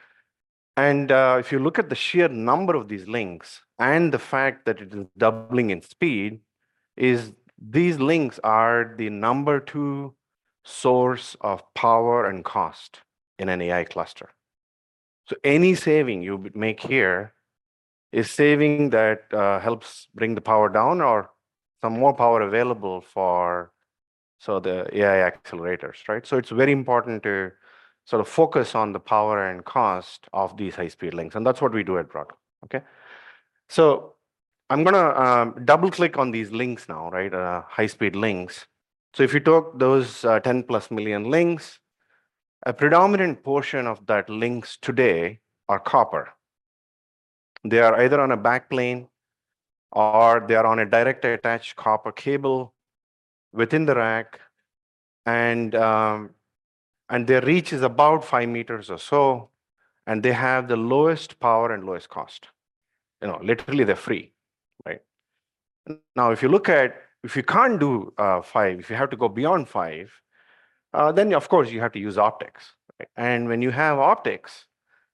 And if you look at the sheer number of these links and the fact that it is doubling in speed, these links are the number two source of power and cost in an AI cluster. So any saving you make here is saving that, helps bring the power down or some more power available for the AI accelerators, right? So it's very important to sort of focus on the power and cost of these high speed links. And that's what we do at Broadcom. Okay? So I'm going to double click on these links now, right? High speed links. So if you took those 10+ million links, a predominant portion of that links today are copper. They are either on a backplane or they are on a direct attached copper cable within the rack. And their reach is about 5 m or so. They have the lowest power and lowest cost. You know, literally they're free, right? Now, if you look at if you can't do 5 m, if you have to go beyond 5 m, then of course you have to use optics, right? When you have optics,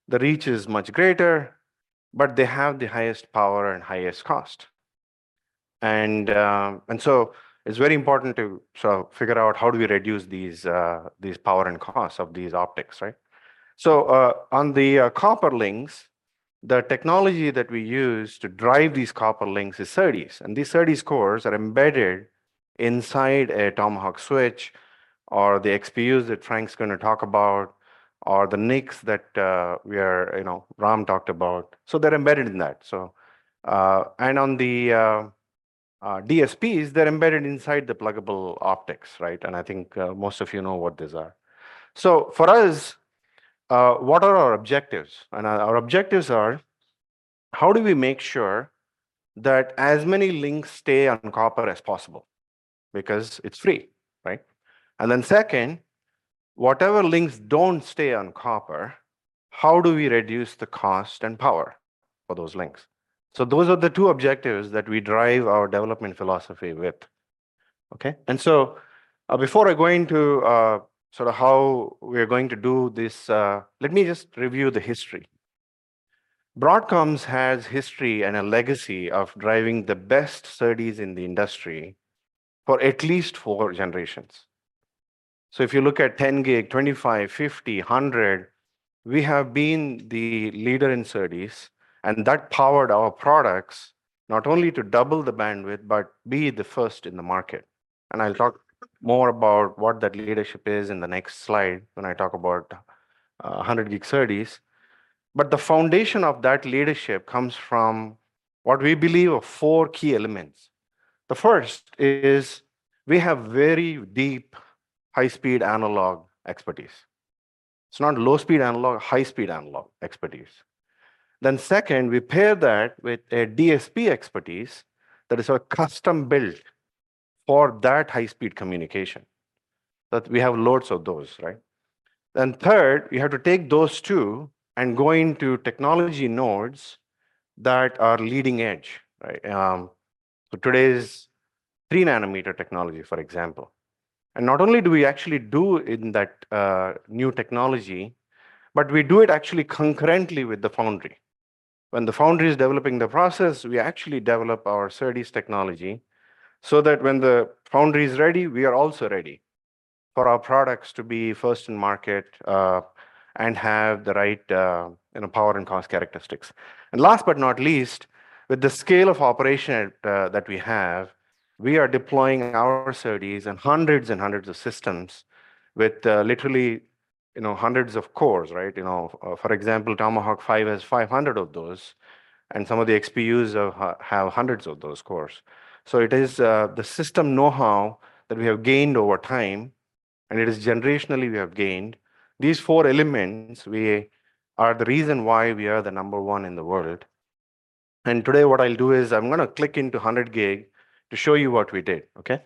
the reach is much greater, but they have the highest power and highest cost. And so it's very important to sort of figure out how do we reduce these, these power and costs of these optics, right? So on the copper links, the technology that we use to drive these copper links is SerDes. And these SerDes cores are embedded inside a Tomahawk switch, or the XPUs that Frank's going to talk about or the NICs that, you know, Ram talked about. So they're embedded in that. So on the DSPs, they're embedded inside the pluggable optics, right? I think most of you know what these are. So for us, what are our objectives? Our objectives are how do we make sure that as many links stay on copper as possible because it's free, right? And then second, whatever links don't stay on copper, how do we reduce the cost and power for those links? So those are the two objectives that we drive our development philosophy with. Okay? So before I go into sort of how we are going to do this, let me just review the history. Broadcom has history and a legacy of driving the best SerDes in the industry for at least four generations. So if you look at 10 G, 25 G, 50 G, 100 G, we have been the leader in SerDes. A nd that powered our products not only to double the bandwidth but be the first in the market. And I'll talk more about what that leadership is in the next slide when I talk about 100 G SerDes. But the foundation of that leadership comes from what we believe are four key elements. The first is we have very deep high-speed analog expertise. It's not low-speed analog, high-speed analog expertise. Then second, we pair that with a DSP expertise that is sort of custom built for that high-speed communication. So that we have loads of those, right? Then third, we have to take those two and go into technology nodes that are leading edge, right? So today's 3 nm technology, for example. And not only do we actually do in that, new technology, but we do it actually concurrently with the foundry. When the foundry is developing the process, we actually develop our SerDes technology so that when the foundry is ready, we are also ready for our products to be first in market, and have the right, you know, power and cost characteristics. And last but not least, with the scale of operation that we have, we are deploying our SerDes in hundreds and hundreds of systems with, literally, you know, hundreds of cores, right? You know, for example, Tomahawk 5 has 500 of those. And some of the XPUs have hundreds of those cores. So it is the system know-how that we have gained over time. And it is generationally we have gained these four elements. We are the reason why we are the number one in the world. And today what I'll do is I'm going to click into 100 G to show you what we did. Okay?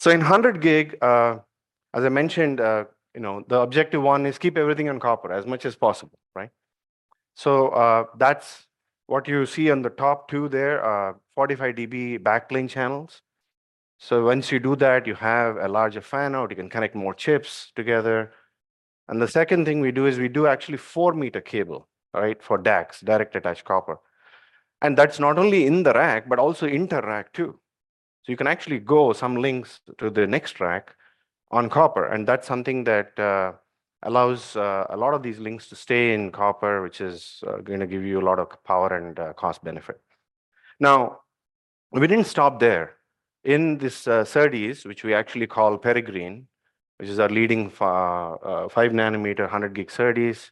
So in 100 G, as I mentioned, you know, the objective one is keep everything on copper as much as possible, right? So, that's what you see on the top two there, 45 dB backplane channels. So once you do that, you have a larger fan out, you can connect more chips together. And the second thing we do is we do actually 4 m cable, right, for DACs, direct attached copper. And that's not only in the rack, but also inter-rack too. So you can actually go some links to the next rack on copper. And that's something that allows a lot of these links to stay in copper, which is going to give you a lot of power and cost benefit. Now, we didn't stop there. In this SerDes, which we actually call Peregrine, which is our leading 5 nm 100G SerDes,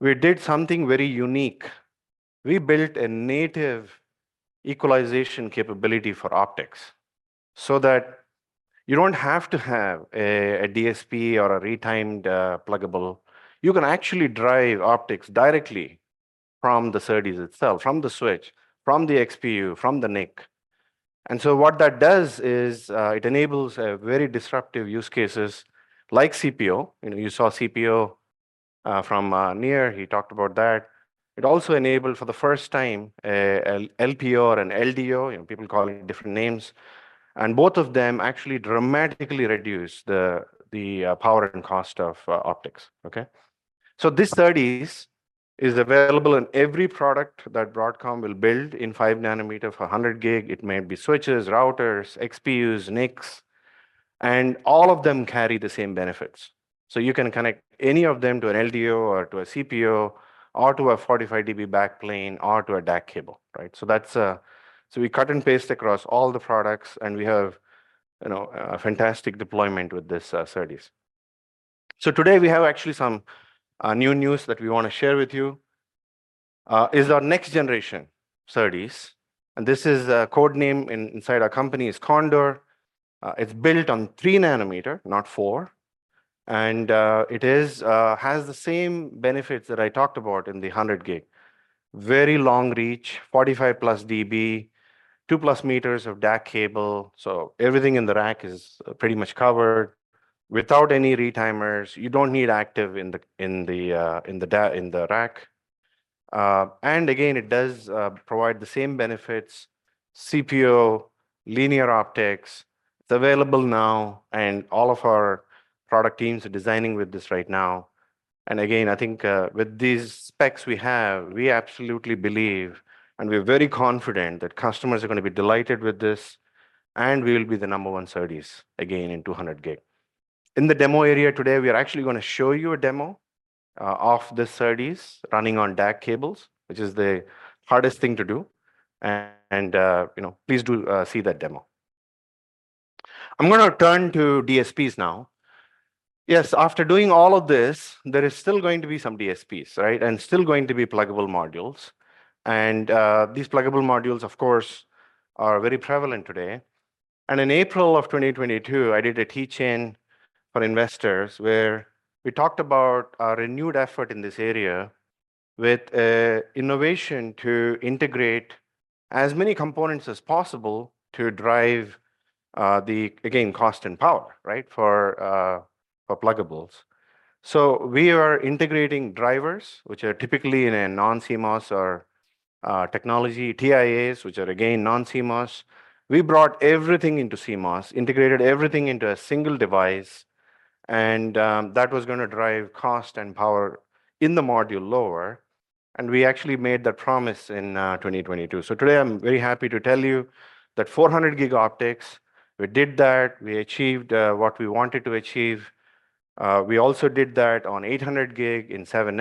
we did something very unique. We built a native equalization capability for optics so that you don't have to have a DSP or a retimer pluggable. You can actually drive optics directly from the SerDes itself, from the switch, from the XPU, from the NIC. And so what that does is, it enables very disruptive use cases like CPO. You know, you saw CPO from Near. He talked about that. It also enabled for the first time an LPO or an LDO, you know, people call it different names. And both of them actually dramatically reduce the power and cost of optics. Okay? So this SerDes is available in every product that Broadcom will build in 5 nm for 100 G. It may be switches, routers, XPUs, NICs. And all of them carry the same benefits. So you can connect any of them to an LDO or to a CPO or to a 45 dB backplane or to a DAC cable, right? So that's, so we cut and paste across all the products. And we have, you know, a fantastic deployment with this SerDes. So today we have actually some new news that we want to share with you. It is our next generation SerDes. And this is a code name inside our company: Condor. It's built on 3 nm, not 4 nm. And it has the same benefits that I talked about in the 100 G. Very long reach, 45+ dB, 2+ meters of DAC cable. So everything in the rack is pretty much covered without any retimers. You don't need active in the DAC in the rack. And again, it does provide the same benefits. CPO, linear optics, it's available now. All of our product teams are designing with this right now. And again, I think with these specs we have, we absolutely believe and we're very confident that customers are going to be delighted with this. And we will be the number one SerDes again in 200 G. In the demo area today, we are actually going to show you a demo of this SerDes running on DAC cables, which is the hardest thing to do. And, you know, please do see that demo. I'm going to turn to DSPs now. Yes, after doing all of this, there is still going to be some DSPs, right? And still going to be pluggable modules. And these pluggable modules, of course, are very prevalent today. In April of 2022, I did a tech day for investors where we talked about our renewed effort in this area with an innovation to integrate as many components as possible to drive the again cost and power, right, for pluggables. So we are integrating drivers, which are typically in a non-CMOS or technology TIAs, which are again non-CMOS. We brought everything into CMOS, integrated everything into a single device. That was going to drive cost and power in the module lower. We actually made that promise in 2022. So today I'm very happy to tell you that 400 G optics, we did that. We achieved what we wanted to achieve. We also did that on 800 G in 7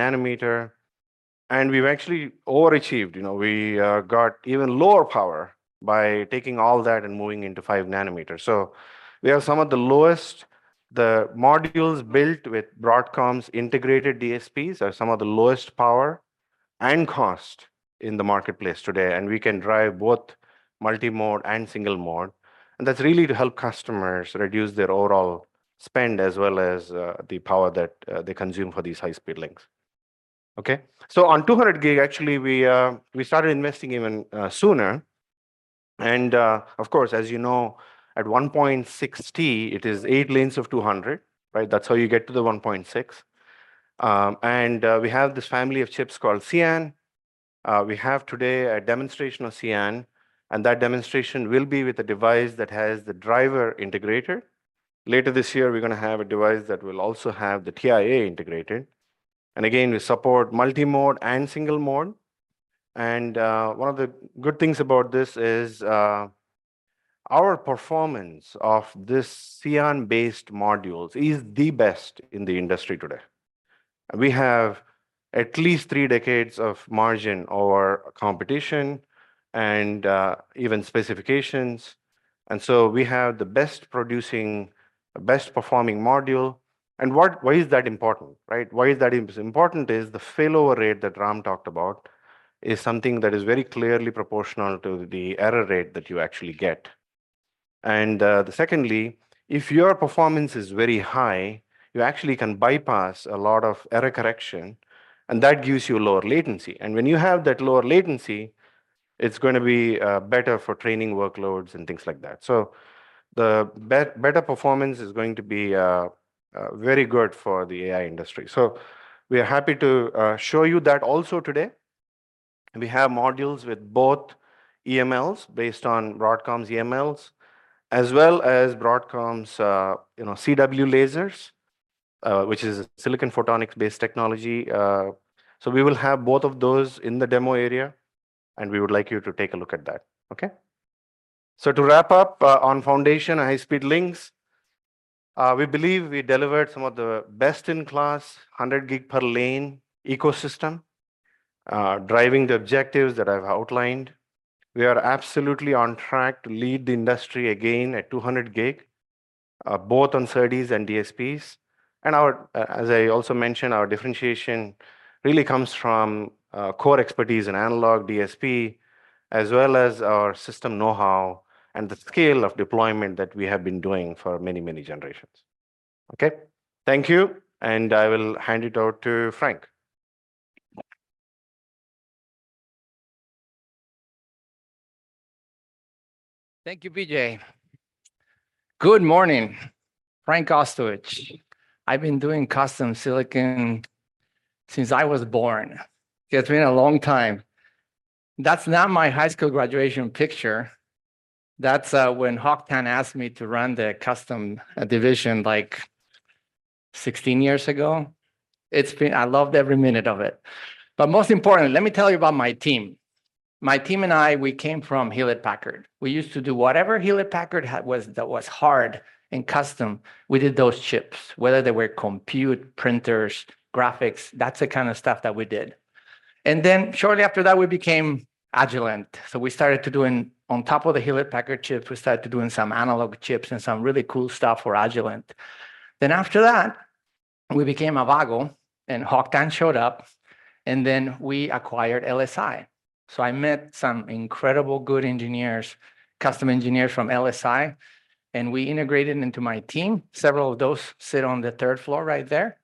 nm. We've actually overachieved. You know, we got even lower power by taking all that and moving into 5 nm. So we have some of the lowest, the modules built with Broadcom's integrated DSPs are some of the lowest power and cost in the marketplace today. And we can drive both multimode and singlemode. And that's really to help customers reduce their overall spend as well as the power that they consume for these high speed links. Okay? So on 200 G, actually, we started investing even sooner. And, of course, as you know, at 1.6 T, it is eight lanes of 200, right? That's how you get to the 1.6 T. And we have this family of chips called Sian. We have today a demonstration of Sian. And that demonstration will be with a device that has the driver integrated. Later this year, we're going to have a device that will also have the TIA integrated. And again, we support multimode and singlemode. One of the good things about this is, our performance of this Sian-based modules is the best in the industry today. We have at least three decades of margin over competition and, even specifications. So we have the best producing, best performing module. Why is that important, right? Why is that important is the failover rate that Ram talked about is something that is very clearly proportional to the error rate that you actually get. Secondly, if your performance is very high, you actually can bypass a lot of error correction. That gives you lower latency. When you have that lower latency, it's going to be better for training workloads and things like that. So the better, better performance is going to be very good for the AI industry. So we are happy to show you that also today. We have modules with both EMLs based on Broadcom's EMLs as well as Broadcom's, you know, CW lasers, which is a silicon photonics-based technology. So we will have both of those in the demo area. And we would like you to take a look at that. Okay? So to wrap up, on foundation high speed links, we believe we delivered some of the best in class 100 G per lane ecosystem, driving the objectives that I've outlined. We are absolutely on track to lead the industry again at 200 G, both on SerDes and DSPs. And our, as I also mentioned, our differentiation really comes from core expertise in analog DSP as well as our system know-how and the scale of deployment that we have been doing for many, many generations. Okay? Thank you. I will hand it out to Frank. Thank you, Vijay. Good morning, Frank Ostojic. I've been doing custom silicon since I was born. It's been a long time. That's not my high school graduation picture. That's when Hock Tan asked me to run the custom division like 16 years ago. It's been, I loved every minute of it. But most important, let me tell you about my team. My team and I, we came from Hewlett-Packard. We used to do whatever Hewlett-Packard had was that was hard and custom. We did those chips, whether they were compute, printers, graphics, that's the kind of stuff that we did. And then shortly after that, we became Agilent. So we started to do, on top of the Hewlett-Packard chips, we started to do some analog chips and some really cool stuff for Agilent. Then after that, we became Avago, and Hock Tan showed up, and then we acquired LSI. So I met some incredible good engineers, custom engineers from LSI, and we integrated into my team. Several of those sit on the third floor right there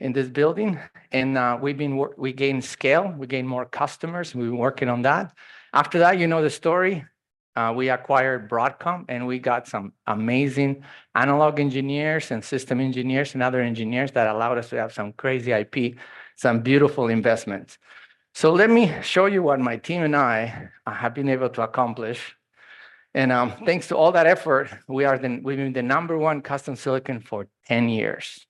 in this building. And, we gained scale, we gained more customers, and we've been working on that. After that, you know the story. We acquired Broadcom, and we got some amazing analog engineers and system engineers and other engineers that allowed us to have some crazy IP, some beautiful investments. So let me show you what my team and I, I have been able to accomplish. And, thanks to all that effort, we are the, we've been the No. 1 custom silicon for 10 years.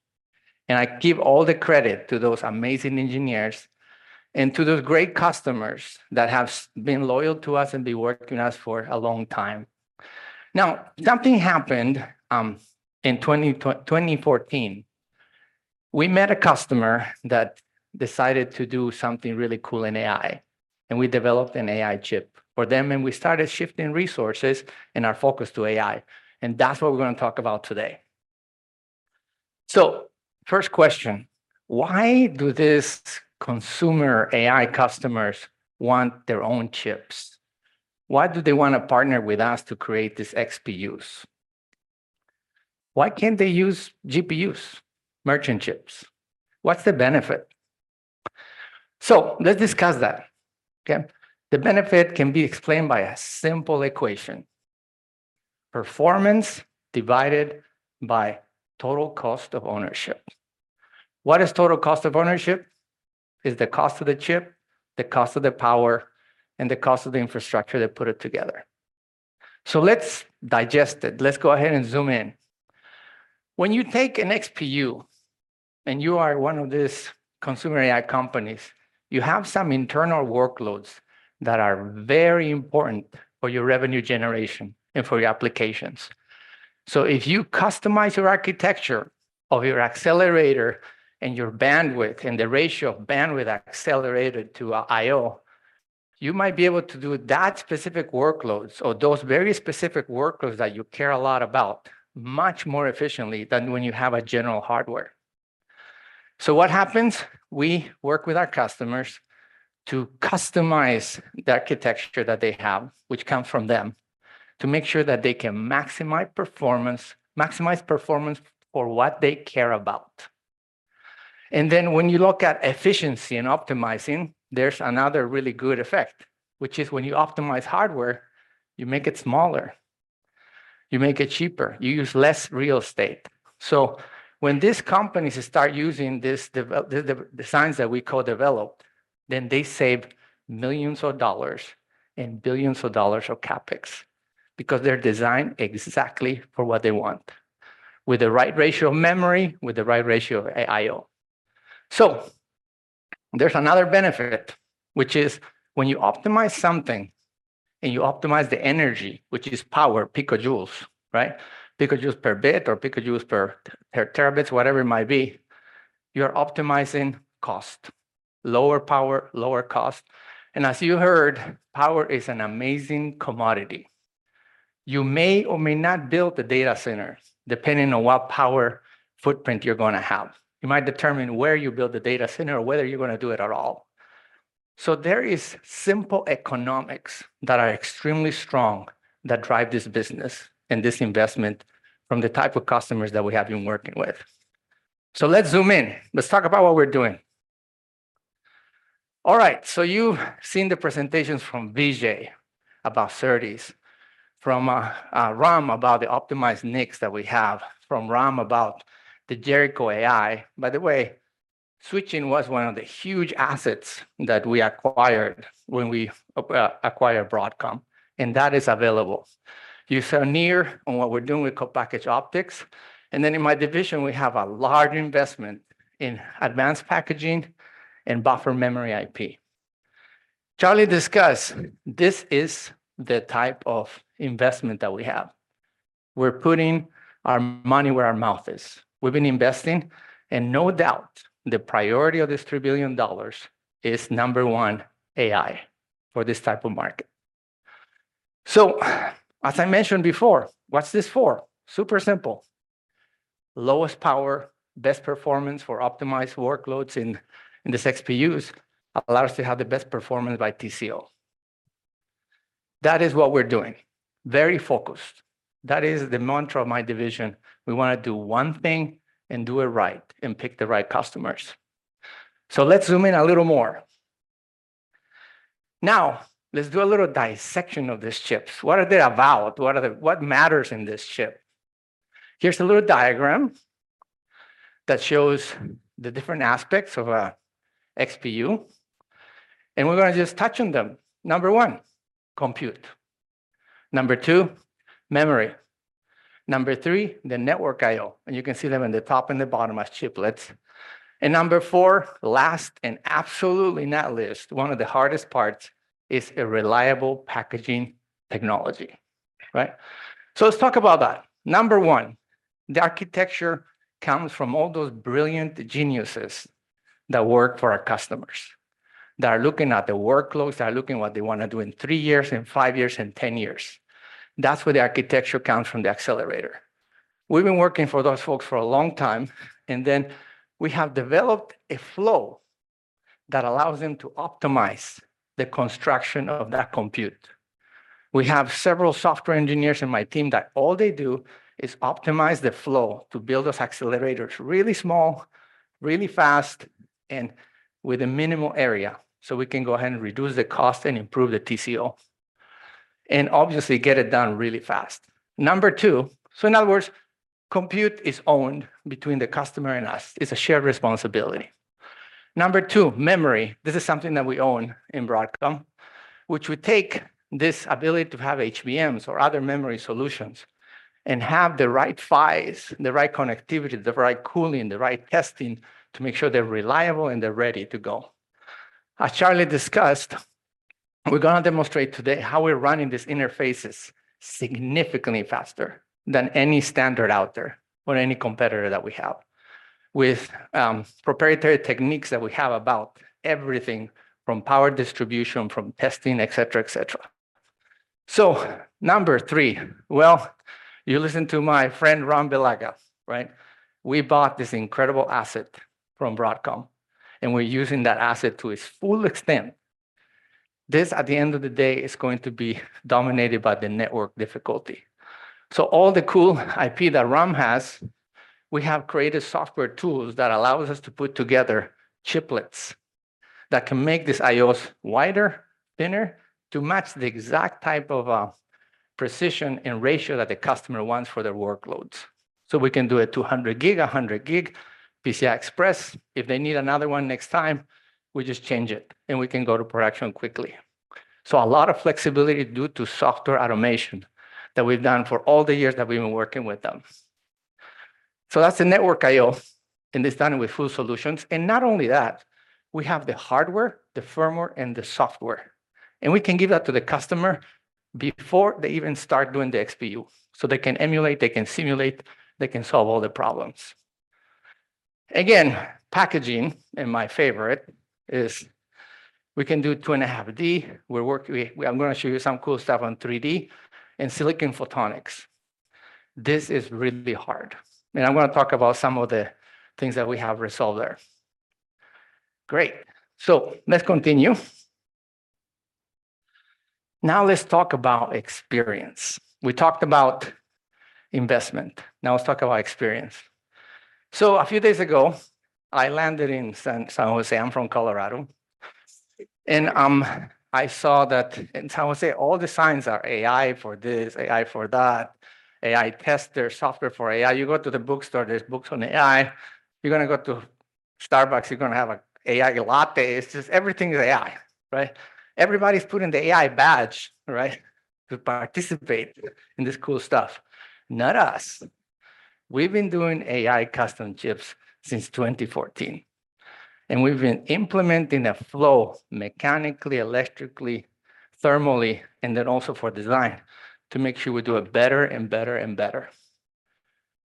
I give all the credit to those amazing engineers and to those great customers that have been loyal to us and been working with us for a long time. Now, something happened, in 2014. We met a customer that decided to do something really cool in AI. And we developed an AI chip for them, and we started shifting resources and our focus to AI. And that's what we're going to talk about today. First question, why do these consumer AI customers want their own chips? Why do they want to partner with us to create these XPUs? Why can't they use GPUs, merchant chips? What's the benefit? So let's discuss that. Okay? The benefit can be explained by a simple equation: performance divided by total cost of ownership. What is total cost of ownership? It's the cost of the chip, the cost of the power, and the cost of the infrastructure that put it together. So let's digest it. Let's go ahead and zoom in. When you take an XPU and you are one of these consumer AI companies, you have some internal workloads that are very important for your revenue generation and for your applications. So if you customize your architecture of your accelerator and your bandwidth and the ratio of bandwidth accelerated to an I/O, you might be able to do that specific workloads or those very specific workloads that you care a lot about much more efficiently than when you have general hardware. So what happens? We work with our customers to customize the architecture that they have, which comes from them, to make sure that they can maximize performance, maximize performance for what they care about. Then when you look at efficiency and optimizing, there's another really good effect, which is when you optimize hardware, you make it smaller, you make it cheaper, you use less real estate. So when these companies start using these developed designs, then they save millions of dollars and billions of dollars of CapEx because they're designed exactly for what they want with the right ratio of memory, with the right ratio of I/O. So there's another benefit, which is when you optimize something and you optimize the energy, which is power, picojoules, right? Picojoules per bit or picojoules per terabits, whatever it might be, you are optimizing cost, lower power, lower cost. And as you heard, power is an amazing commodity. You may or may not build the data center depending on what power footprint you're going to have. You might determine where you build the data center or whether you're going to do it at all. So there are simple economics that are extremely strong that drive this business and this investment from the type of customers that we have been working with. So let's zoom in. Let's talk about what we're doing. All right. So you've seen the presentations from Vijay about SerDes, from Ram about the optimized NICs that we have, from Ram about the Jericho3-AI. By the way, switching was one of the huge assets that we acquired when we acquired Broadcom. And that is available. You saw Near on what we're doing with co-packaged optics. And then in my division, we have a large investment in advanced packaging and buffer memory IP. Charlie discussed, this is the type of investment that we have. We're putting our money where our mouth is. We've been investing. No doubt the priority of this $3 billion is number one AI for this type of market. So as I mentioned before, what's this for? Super simple. Lowest power, best performance for optimized workloads in these XPUs allows us to have the best performance by TCO. That is what we're doing. Very focused. That is the mantra of my division. We want to do one thing and do it right and pick the right customers. So let's zoom in a little more. Now, let's do a little dissection of these chips. What are they about? What are what matters in this chip? Here's a little diagram that shows the different aspects of an XPU. We're going to just touch on them. Number one, compute. Number two, memory. Number three, the network I/O. You can see them in the top and the bottom as chiplets. Number four, last and absolutely not least, one of the hardest parts is a reliable packaging technology, right? So let's talk about that. Number one, the architecture comes from all those brilliant geniuses that work for our customers that are looking at the workloads, that are looking at what they want to do in three years, in five years, in 10 years. That's where the architecture comes from, the accelerator. We've been working for those folks for a long time. And then we have developed a flow that allows them to optimize the construction of that compute. We have several software engineers in my team that all they do is optimize the flow to build those accelerators really small, really fast, and with a minimal area so we can go ahead and reduce the cost and improve the TCO and obviously get it done really fast. Number two, so in other words, compute is owned between the customer and us. It's a shared responsibility. Number two, memory. This is something that we own in Broadcom, which we take this ability to have HBMs or other memory solutions and have the right files, the right connectivity, the right cooling, the right testing to make sure they're reliable and they're ready to go. As Charlie discussed, we're going to demonstrate today how we're running these interfaces significantly faster than any standard out there or any competitor that we have with proprietary techniques that we have about everything from power distribution, from testing, et cetera, et cetera. So number three, well, you listened to my friend Ram Velaga, right? We bought this incredible asset from Broadcom, and we're using that asset to its full extent. This, at the end of the day, is going to be dominated by the network difficulty. So all the cool IP that Ram has, we have created software tools that allow us to put together chiplets that can make these I/Os wider, thinner to match the exact type of precision and ratio that the customer wants for their workloads. So we can do a 200 G, a 100 G PCI Express. If they need another one next time, we just change it, and we can go to production quickly. So a lot of flexibility due to software automation that we've done for all the years that we've been working with them. That's the network I/O. It's done with full solutions. Not only that, we have the hardware, the firmware, and the software. We can give that to the customer before they even start doing the XPU so they can emulate, they can simulate, they can solve all the problems. Again, packaging, and my favorite is we can do 2.5D. We're working, we, I'm going to show you some cool stuff on 3D and silicon photonics. This is really hard. I'm going to talk about some of the things that we have resolved there. Great. Let's continue. Now let's talk about experience. We talked about investment. Now let's talk about experience. So a few days ago, I landed in San Jose. I'm from Colorado. And I saw that in San Jose, all the signs are AI for this, AI for that, AI tester, software for AI. You go to the bookstore, there's books on AI. You're going to go to Starbucks, you're going to have an AI latte. It's just everything is AI, right? Everybody's putting the AI badge, right, to participate in this cool stuff. Not us. We've been doing AI custom chips since 2014. And we've been implementing a flow mechanically, electrically, thermally, and then also for design to make sure we do it better and better and better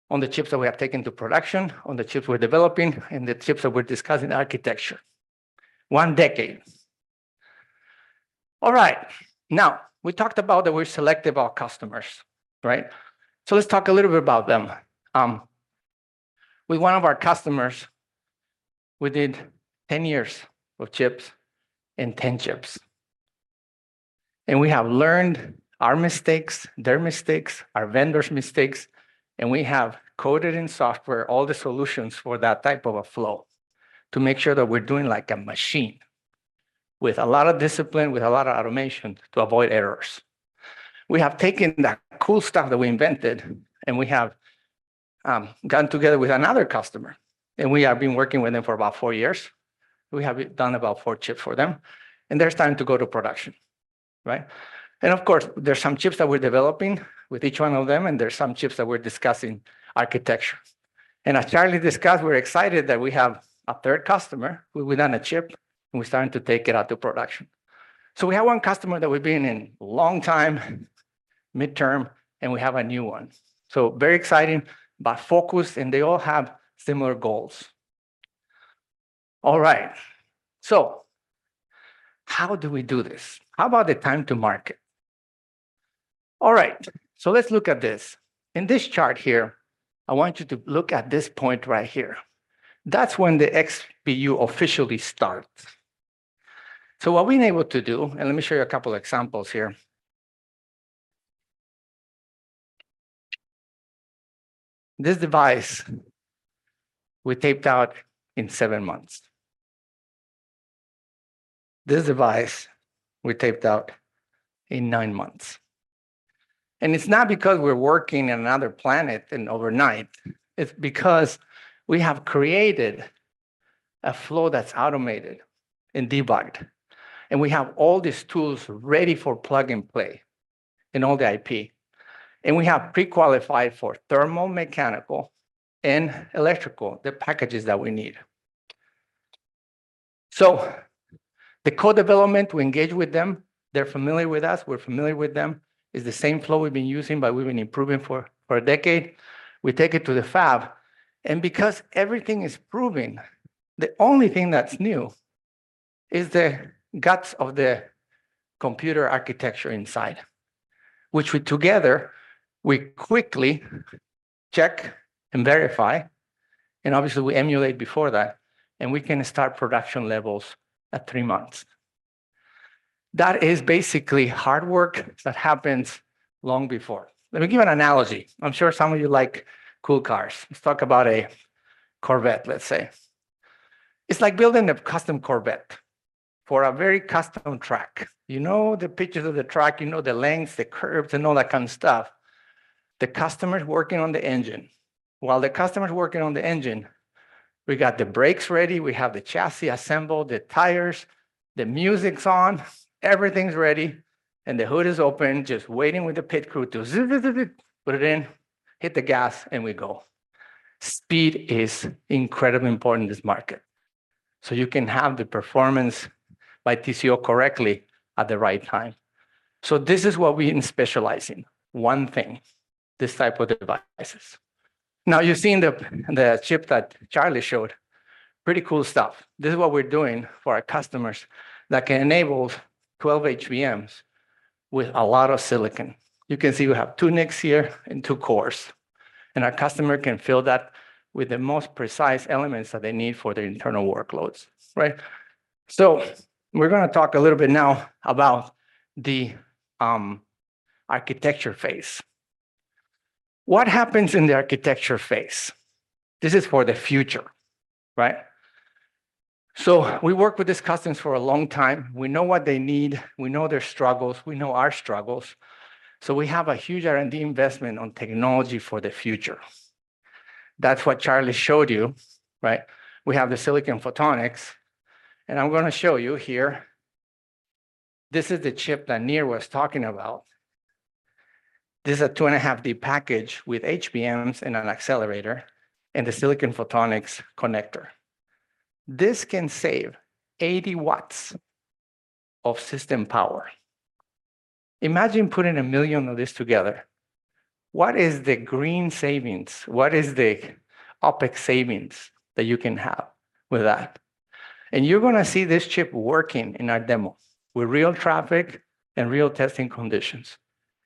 on the chips that we have taken to production, on the chips we're developing, and the chips that we're discussing architecture. One decade. All right. Now we talked about that we're selective about customers, right? So let's talk a little bit about them. With one of our customers, we did 10 years of chips and 10 chips. We have learned our mistakes, their mistakes, our vendors' mistakes. We have coded in software all the solutions for that type of a flow to make sure that we're doing like a machine with a lot of discipline, with a lot of automation to avoid errors. We have taken that cool stuff that we invented, and we have gone together with another customer. We have been working with them for about four years. We have done about four chips for them. There's time to go to production, right? Of course, there's some chips that we're developing with each one of them, and there's some chips that we're discussing architecture. As Charlie discussed, we're excited that we have a third customer. We've done a chip, and we're starting to take it out to production. We have one customer that we've been in a long time, midterm, and we have a new one. Very exciting but focused, and they all have similar goals. All right. How do we do this? How about the time to market? All right. Let's look at this. In this chart here, I want you to look at this point right here. That's when the XPU officially starts. What we've been able to do, and let me show you a couple of examples here. This device, we taped out in seven months. This device, we taped out in nine months. It's not because we're working on another planet and overnight. It's because we have created a flow that's automated and debugged. We have all these tools ready for plug and play in all the IP. We have pre-qualified for thermal, mechanical, and electrical, the packages that we need. The code development, we engage with them. They're familiar with us. We're familiar with them. It's the same flow we've been using, but we've been improving for a decade. We take it to the fab. Because everything is proving, the only thing that's new is the guts of the computer architecture inside, which we together quickly check and verify. Obviously, we emulate before that. We can start production levels at three months. That is basically hard work that happens long before. Let me give an analogy. I'm sure some of you like cool cars. Let's talk about a Corvette, let's say. It's like building a custom Corvette for a very custom track. You know the pictures of the track. You know the lengths, the curves, and all that kind of stuff. The customer's working on the engine. While the customer's working on the engine, we got the brakes ready. We have the chassis assembled, the tires, the music's on, everything's ready, and the hood is open, just waiting with the pit crew to put it in, hit the gas, and we go. Speed is incredibly important in this market. So you can have the performance by TCO correctly at the right time. So this is what we've been specialized in, one thing, this type of devices. Now you've seen the chip that Charlie showed. Pretty cool stuff. This is what we're doing for our customers that can enable 12 HBMs with a lot of silicon. You can see we have two NICs here and two cores. Our customer can fill that with the most precise elements that they need for their internal workloads, right? We're going to talk a little bit now about the architecture phase. What happens in the architecture phase? This is for the future, right? We work with these customers for a long time. We know what they need. We know their struggles. We know our struggles. We have a huge R&D investment on technology for the future. That's what Charlie showed you, right? We have the silicon photonics. I'm going to show you here. This is the chip that Near was talking about. This is a 2.5D package with HBMs and an accelerator and the silicon photonics connector. This can save 80 W of system power. Imagine putting 1 million of these together. What is the green savings? What is the OpEx savings that you can have with that? And you're going to see this chip working in our demo with real traffic and real testing conditions.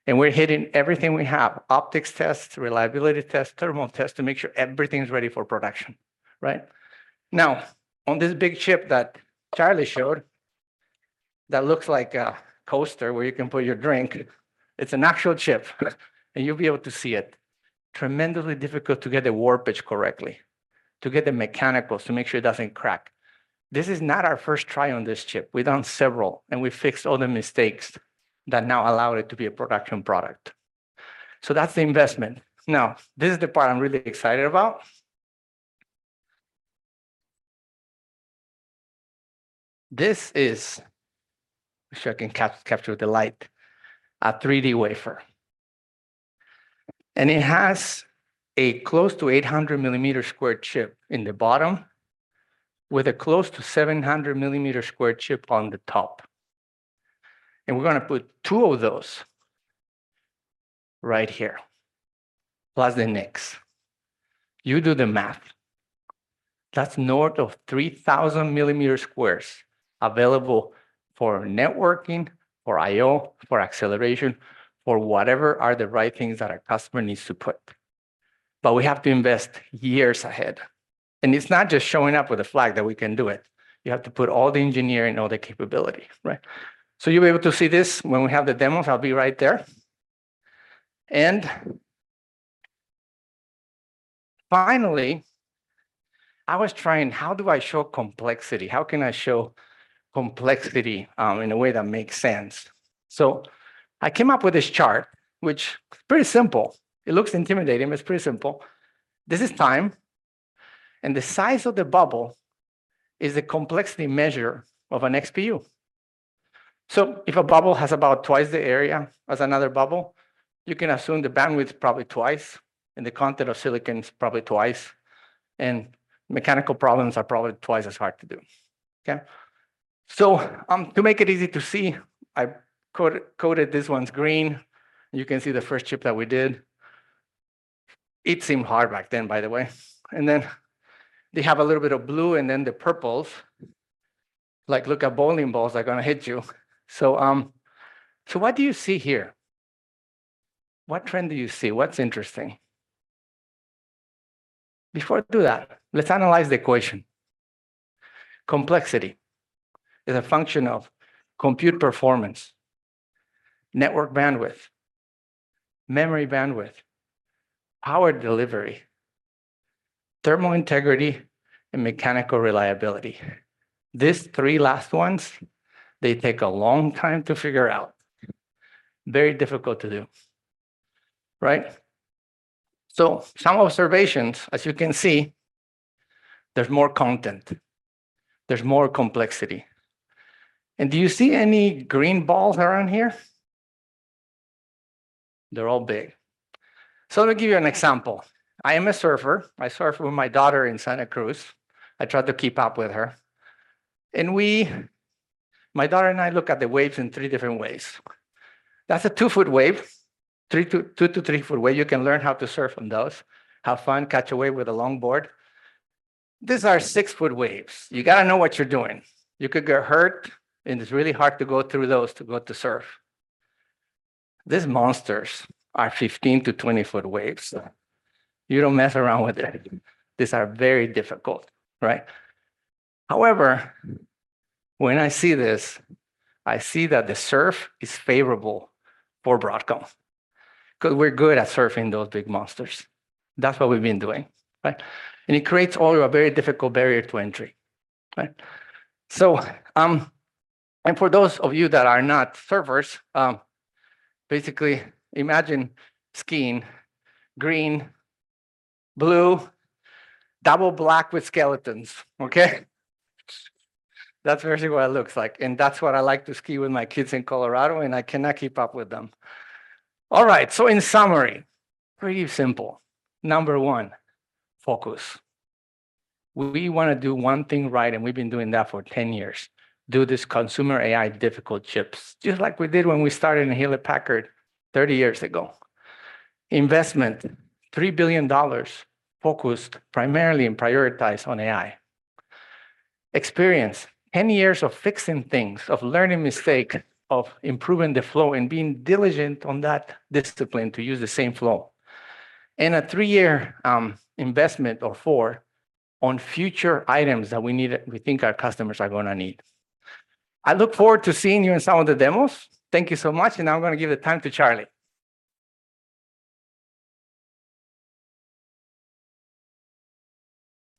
And we're hitting everything we have: optics tests, reliability tests, thermal tests to make sure everything's ready for production, right? Now, on this big chip that Charlie showed that looks like a coaster where you can put your drink, it's an actual chip. And you'll be able to see it. Tremendously difficult to get the warpage correctly, to get the mechanicals to make sure it doesn't crack. This is not our first try on this chip. We've done several, and we fixed all the mistakes that now allow it to be a production product. So that's the investment. Now, this is the part I'm really excited about. This is, I'm sure I can capture with the light, a 3D wafer. And it has a close to 800 square millimeter chip in the bottom with a close to 700 square millimeter chip on the top. And we're going to put two of those right here plus the NICs. You do the math. That's north of 3,000 square millimeters available for networking, for I/O, for acceleration, for whatever are the right things that our customer needs to put. But we have to invest years ahead. And it's not just showing up with a flag that we can do it. You have to put all the engineering and all the capability, right? So you'll be able to see this when we have the demos. I'll be right there. And finally, I was trying, how do I show complexity? How can I show complexity, in a way that makes sense? So I came up with this chart, which is pretty simple. It looks intimidating, but it's pretty simple. This is time. And the size of the bubble is the complexity measure of an XPU. So if a bubble has about twice the area as another bubble, you can assume the bandwidth's probably twice and the content of silicon's probably twice. And mechanical problems are probably twice as hard to do, okay? So, to make it easy to see, I coded this one's green. You can see the first chip that we did. It seemed hard back then, by the way. And then they have a little bit of blue, and then the purples, like, look at bowling balls, they're going to hit you. So what do you see here? What trend do you see? What's interesting? Before I do that, let's analyze the equation. Complexity is a function of compute performance, network bandwidth, memory bandwidth, power delivery, thermal integrity, and mechanical reliability. These three last ones, they take a long time to figure out. Very difficult to do, right? So some observations, as you can see, there's more content. There's more complexity. And do you see any green balls around here? They're all big. So let me give you an example. I am a surfer. I surf with my daughter in Santa Cruz. I try to keep up with her. And we, my daughter and I, look at the waves in three different ways. That's a 2 ft wave, 2 ft-3 ft wave. You can learn how to surf on those, have fun, catch a wave with a longboard. These are 6 ft waves. You got to know what you're doing. You could get hurt, and it's really hard to go through those to go to surf. These monsters are 15 ft-20 ft waves. You don't mess around with it. These are very difficult, right? However, when I see this, I see that the surf is favorable for Broadcom because we're good at surfing those big monsters. That's what we've been doing, right? And it creates all a very difficult barrier to entry, right? So, and for those of you that are not surfers, basically imagine skiing green, blue, double black with skeletons, okay? That's basically what it looks like. And that's what I like to ski with my kids in Colorado, and I cannot keep up with them. All right. So in summary, pretty simple. Number one, focus. We want to do one thing right, and we've been doing that for 10 years. Do these consumer AI difficult chips just like we did when we started in Hewlett Packard 30 years ago. Investment, $3 billion, focused primarily and prioritized on AI. Experience, 10 years of fixing things, of learning mistakes, of improving the flow, and being diligent on that discipline to use the same flow. And a three-year investment or four on future items that we need, we think our customers are going to need. I look forward to seeing you in some of the demos. Thank you so much. Now I'm going to give the time to Charlie.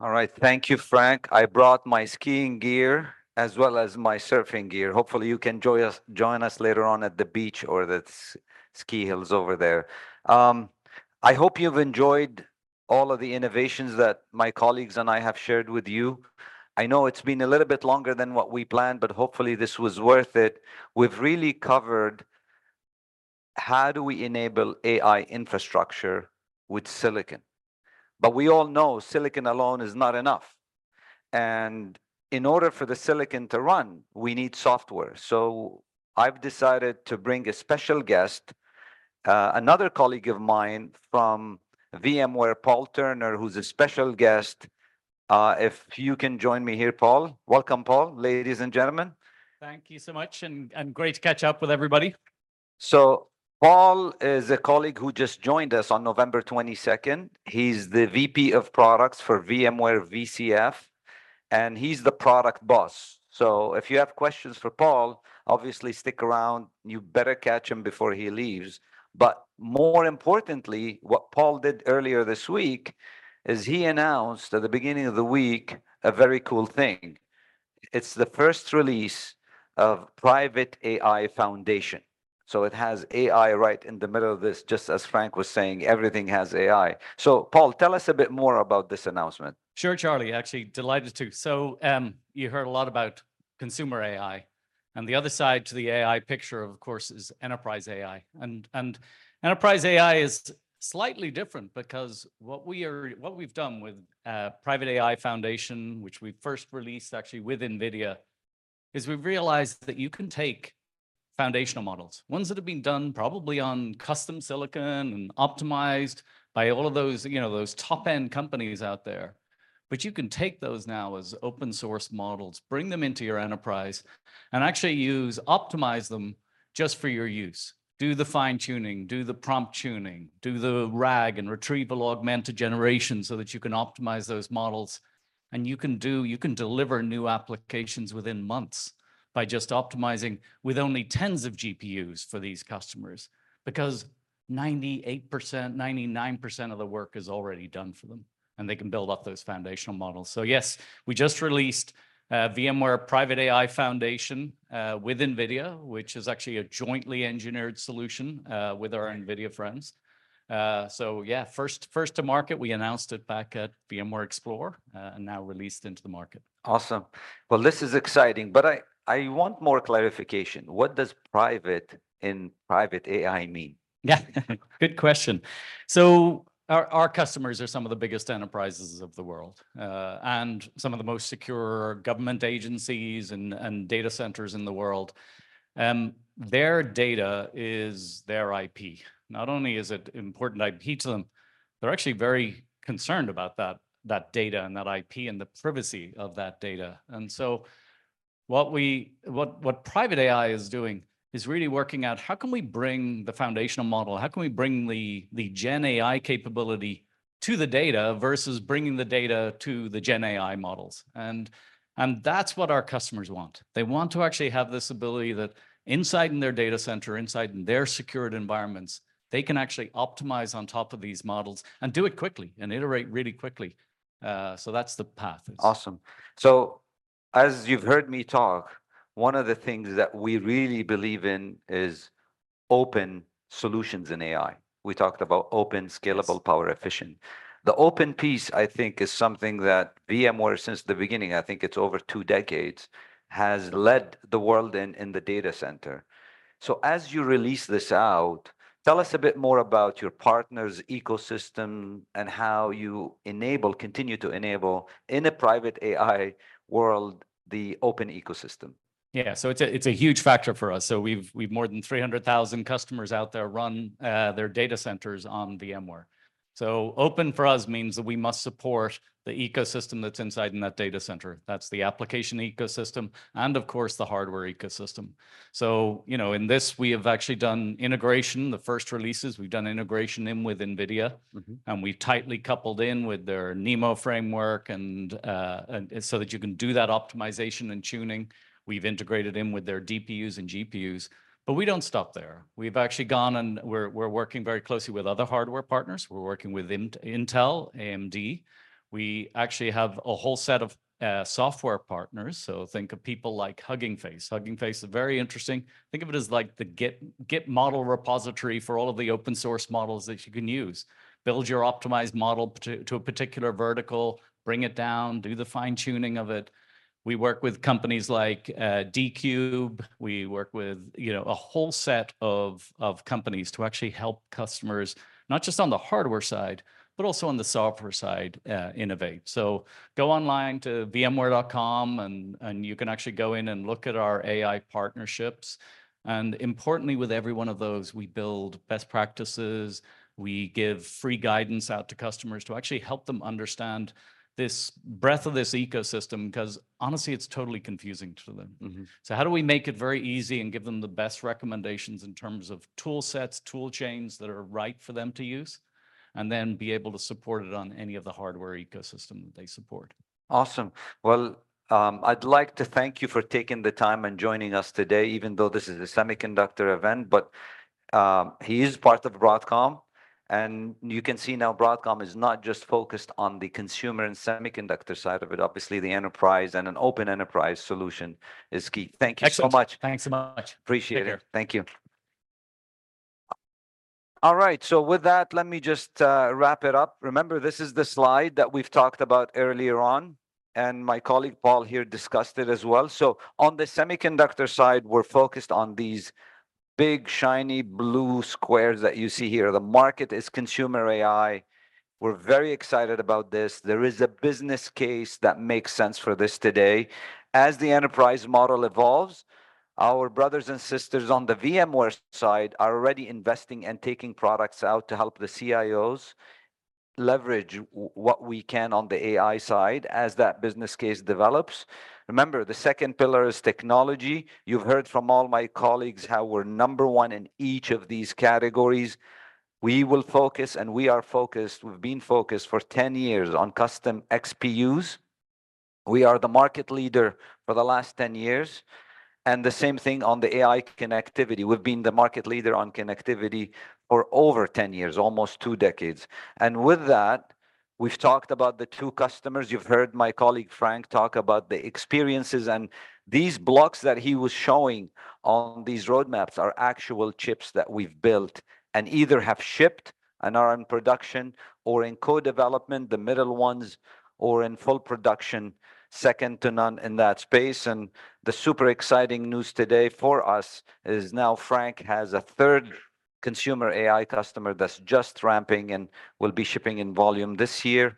All right. Thank you, Frank. I brought my skiing gear as well as my surfing gear. Hopefully, you can join us later on at the beach or the ski hills over there. I hope you've enjoyed all of the innovations that my colleagues and I have shared with you. I know it's been a little bit longer than what we planned, but hopefully, this was worth it. We've really covered how do we enable AI infrastructure with silicon. But we all know silicon alone is not enough. And in order for the silicon to run, we need software. So I've decided to bring a special guest, another colleague of mine from VMware, Paul Turner, who's a special guest. If you can join me here, Paul. Welcome, Paul. Ladies and gentlemen. Thank you so much. And great to catch up with everybody. So Paul is a colleague who just joined us on November 22nd. He's the VP of Products for VMware VCF. And he's the product boss. So if you have questions for Paul, obviously stick around. You better catch him before he leaves. But more importantly, what Paul did earlier this week is he announced at the beginning of the week a very cool thing. It's the first release of Private AI Foundation. So it has AI right in the middle of this, just as Frank was saying, everything has AI. So Paul, tell us a bit more about this announcement. Sure, Charlie. Actually, delighted to. So, you heard a lot about consumer AI. And the other side to the AI picture, of course, is enterprise AI. And enterprise AI is slightly different because what we are, what we've done with Private AI Foundation, which we first released actually with NVIDIA, is we've realized that you can take foundational models, ones that have been done probably on custom silicon and optimized by all of those, you know, those top-end companies out there. But you can take those now as open-source models, bring them into your enterprise, and actually use, optimize them just for your use. Do the fine-tuning, do the prompt-tuning, do the RAG and retrieval augmented generation so that you can optimize those models. And you can do, you can deliver new applications within months by just optimizing with only tens of GPUs for these customers because 98%, 99% of the work is already done for them. And they can build up those foundational models. So yes, we just released VMware Private AI Foundation with NVIDIA, which is actually a jointly engineered solution with our NVIDIA friends. So yeah, first, first to market, we announced it back at VMware Explore, and now released into the market. Awesome. Well, this is exciting. But I, I want more clarification. What does private in Private AI mean? Yeah. Good question. So our customers are some of the biggest enterprises of the world, and some of the most secure government agencies and data centers in the world. Their data is their IP. Not only is it important IP to them, they're actually very concerned about that data and that IP and the privacy of that data. And so what Private AI is doing is really working out how can we bring the foundational model, how can we bring the Gen AI capability to the data versus bringing the data to the Gen AI models. And that's what our customers want. They want to actually have this ability that inside their data center, inside their secured environments, they can actually optimize on top of these models and do it quickly and iterate really quickly. So that's the path. Awesome. So as you've heard me talk, one of the things that we really believe in is open solutions in AI. We talked about open, scalable, power-efficient. The open piece, I think, is something that VMware, since the beginning, I think it's over two decades, has led the world in, in the data center. So as you release this out, tell us a bit more about your partner's ecosystem and how you enable, continue to enable in a Private AI world the open ecosystem. Yeah. So it's a, it's a huge factor for us. So we've, we've more than 300,000 customers out there run their data centers on VMware. So open for us means that we must support the ecosystem that's inside in that data center. That's the application ecosystem and, of course, the hardware ecosystem. So, you know, in this, we have actually done integration, the first releases. We've done integration in with NVIDIA. We've tightly coupled in with their NeMo framework and so that you can do that optimization and tuning. We've integrated in with their DPUs and GPUs. But we don't stop there. We've actually gone and we're working very closely with other hardware partners. We're working with Intel, AMD. We actually have a whole set of software partners. So think of people like Hugging Face. Hugging Face is very interesting. Think of it as like the Git model repository for all of the open-source models that you can use. Build your optimized model to a particular vertical, bring it down, do the fine-tuning of it. We work with companies like theCUBE. We work with, you know, a whole set of companies to actually help customers, not just on the hardware side, but also on the software side, innovate. So go online to VMware.com and you can actually go in and look at our AI partnerships. And importantly, with every one of those, we build best practices. We give free guidance out to customers to actually help them understand this breadth of this ecosystem because honestly, it's totally confusing to them. So how do we make it very easy and give them the best recommendations in terms of tool sets, tool chains that are right for them to use? And then be able to support it on any of the hardware ecosystem that they support. Awesome. Well, I'd like to thank you for taking the time and joining us today, even though this is a semiconductor event, but he is part of Broadcom. And you can see now Broadcom is not just focused on the consumer and semiconductor side of it. Obviously, the enterprise and an open enterprise solution is key. Thank you so much. Thanks so much. Appreciate it. Thank you. All right. With that, let me just wrap it up. Remember, this is the slide that we've talked about earlier on. My colleague Paul here discussed it as well. On the semiconductor side, we're focused on these big, shiny blue squares that you see here. The market is consumer AI. We're very excited about this. There is a business case that makes sense for this today. As the enterprise model evolves, our brothers and sisters on the VMware side are already investing and taking products out to help the CIOs leverage what we can on the AI side as that business case develops. Remember, the second pillar is technology. You've heard from all my colleagues how we're number one in each of these categories. We will focus and we are focused, we've been focused for 10 years on custom XPUs. We are the market leader for the last 10 years. And the same thing on the AI connectivity. We've been the market leader on connectivity for over 10 years, almost two decades. And with that, we've talked about the two customers. You've heard my colleague Frank talk about the experiences and these blocks that he was showing on these roadmaps are actual chips that we've built and either have shipped and are in production or in co-development, the middle ones, or in full production, second to none in that space. And the super exciting news today for us is now Frank has a third consumer AI customer that's just ramping and will be shipping in volume this year.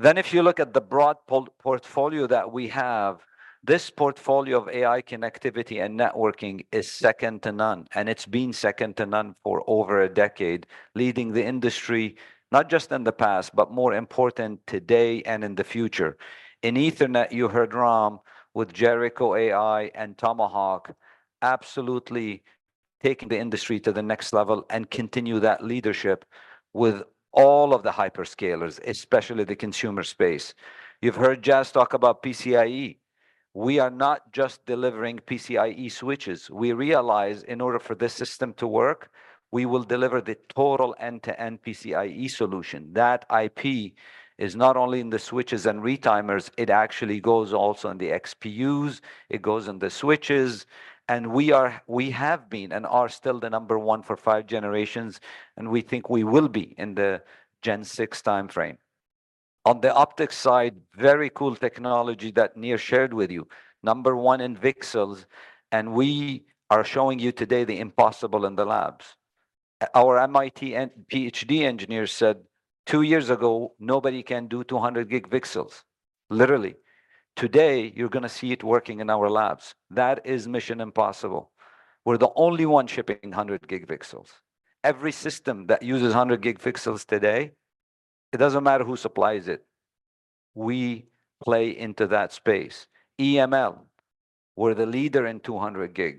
If you look at the broad portfolio that we have, this portfolio of AI connectivity and networking is second to none. It's been second to none for over a decade, leading the industry, not just in the past, but more important today and in the future. In Ethernet, you heard Ram with Jericho AI and Tomahawk absolutely taking the industry to the next level and continue that leadership with all of the hyperscalers, especially the consumer space. You've heard Jas talk about PCIe. We are not just delivering PCIe switches. We realize in order for this system to work, we will deliver the total end-to-end PCIe solution. That IP is not only in the switches and retimers, it actually goes also in the XPUs, it goes in the switches. We are, we have been and are still the number one for five generations, and we think we will be in the Gen 6 timeframe. On the optics side, very cool technology that Near shared with you. Number one in VCSELs. We are showing you today the impossible in the labs. Our MIT and PhD engineer said two years ago, nobody can do 200 G VCSELs. Literally. Today, you're going to see it working in our labs. That is mission impossible. We're the only one shipping 100 G VCSELs. Every system that uses 100 G VCSELs today, it doesn't matter who supplies it. We play into that space. EML, we're the leader in 200 G.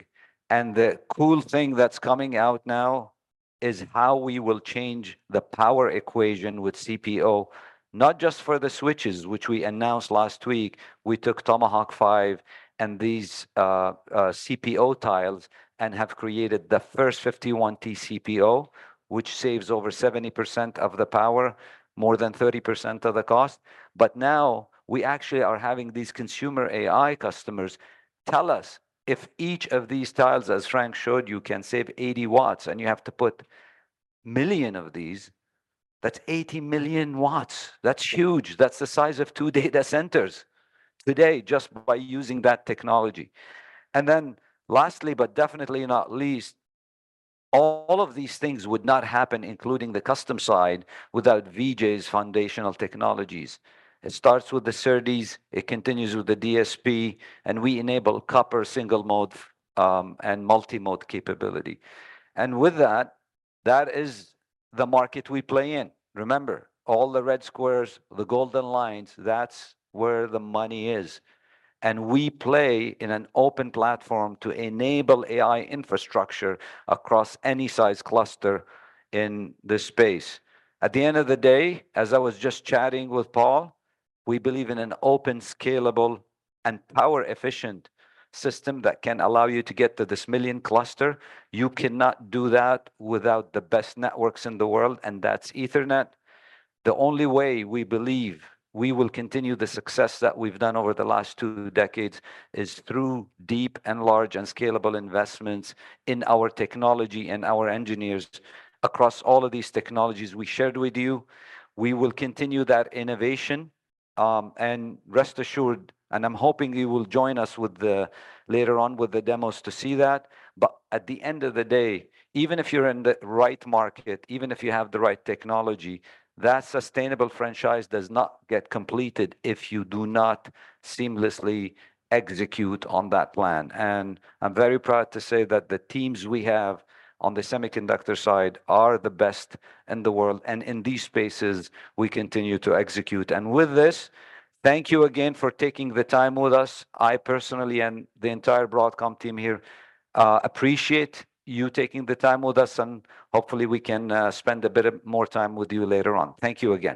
The cool thing that's coming out now is how we will change the power equation with CPO, not just for the switches, which we announced last week. We took Tomahawk 5 and these CPO tiles and have created the first 51 T CPO, which saves over 70% of the power, more than 30% of the cost. But now we actually are having these consumer AI customers tell us if each of these tiles, as Frank showed, you can save 80 W and you have to put 1 million of these. That's 80 million watts. That's huge. That's the size of two data centers today just by using that technology. And then lastly, but definitely not least, all of these things would not happen, including the custom side, without Vijay's foundational technologies. It starts with the SerDes, it continues with the DSP, and we enable copper single mode, and multimode capability. And with that, that is the market we play in. Remember, all the red squares, the golden lines, that's where the money is. We play in an open platform to enable AI infrastructure across any size cluster in this space. At the end of the day, as I was just chatting with Paul, we believe in an open, scalable, and power-efficient system that can allow you to get to this million cluster. You cannot do that without the best networks in the world, and that's Ethernet. The only way we believe we will continue the success that we've done over the last two decades is through deep and large and scalable investments in our technology and our engineers across all of these technologies we shared with you. We will continue that innovation. And rest assured, and I'm hoping you will join us with the later on with the demos to see that. But at the end of the day, even if you're in the right market, even if you have the right technology, that sustainable franchise does not get completed if you do not seamlessly execute on that plan. I'm very proud to say that the teams we have on the semiconductor side are the best in the world. In these spaces, we continue to execute. With this, thank you again for taking the time with us. I personally and the entire Broadcom team here appreciate you taking the time with us. Hopefully we can, spend a bit more time with you later on. Thank you again.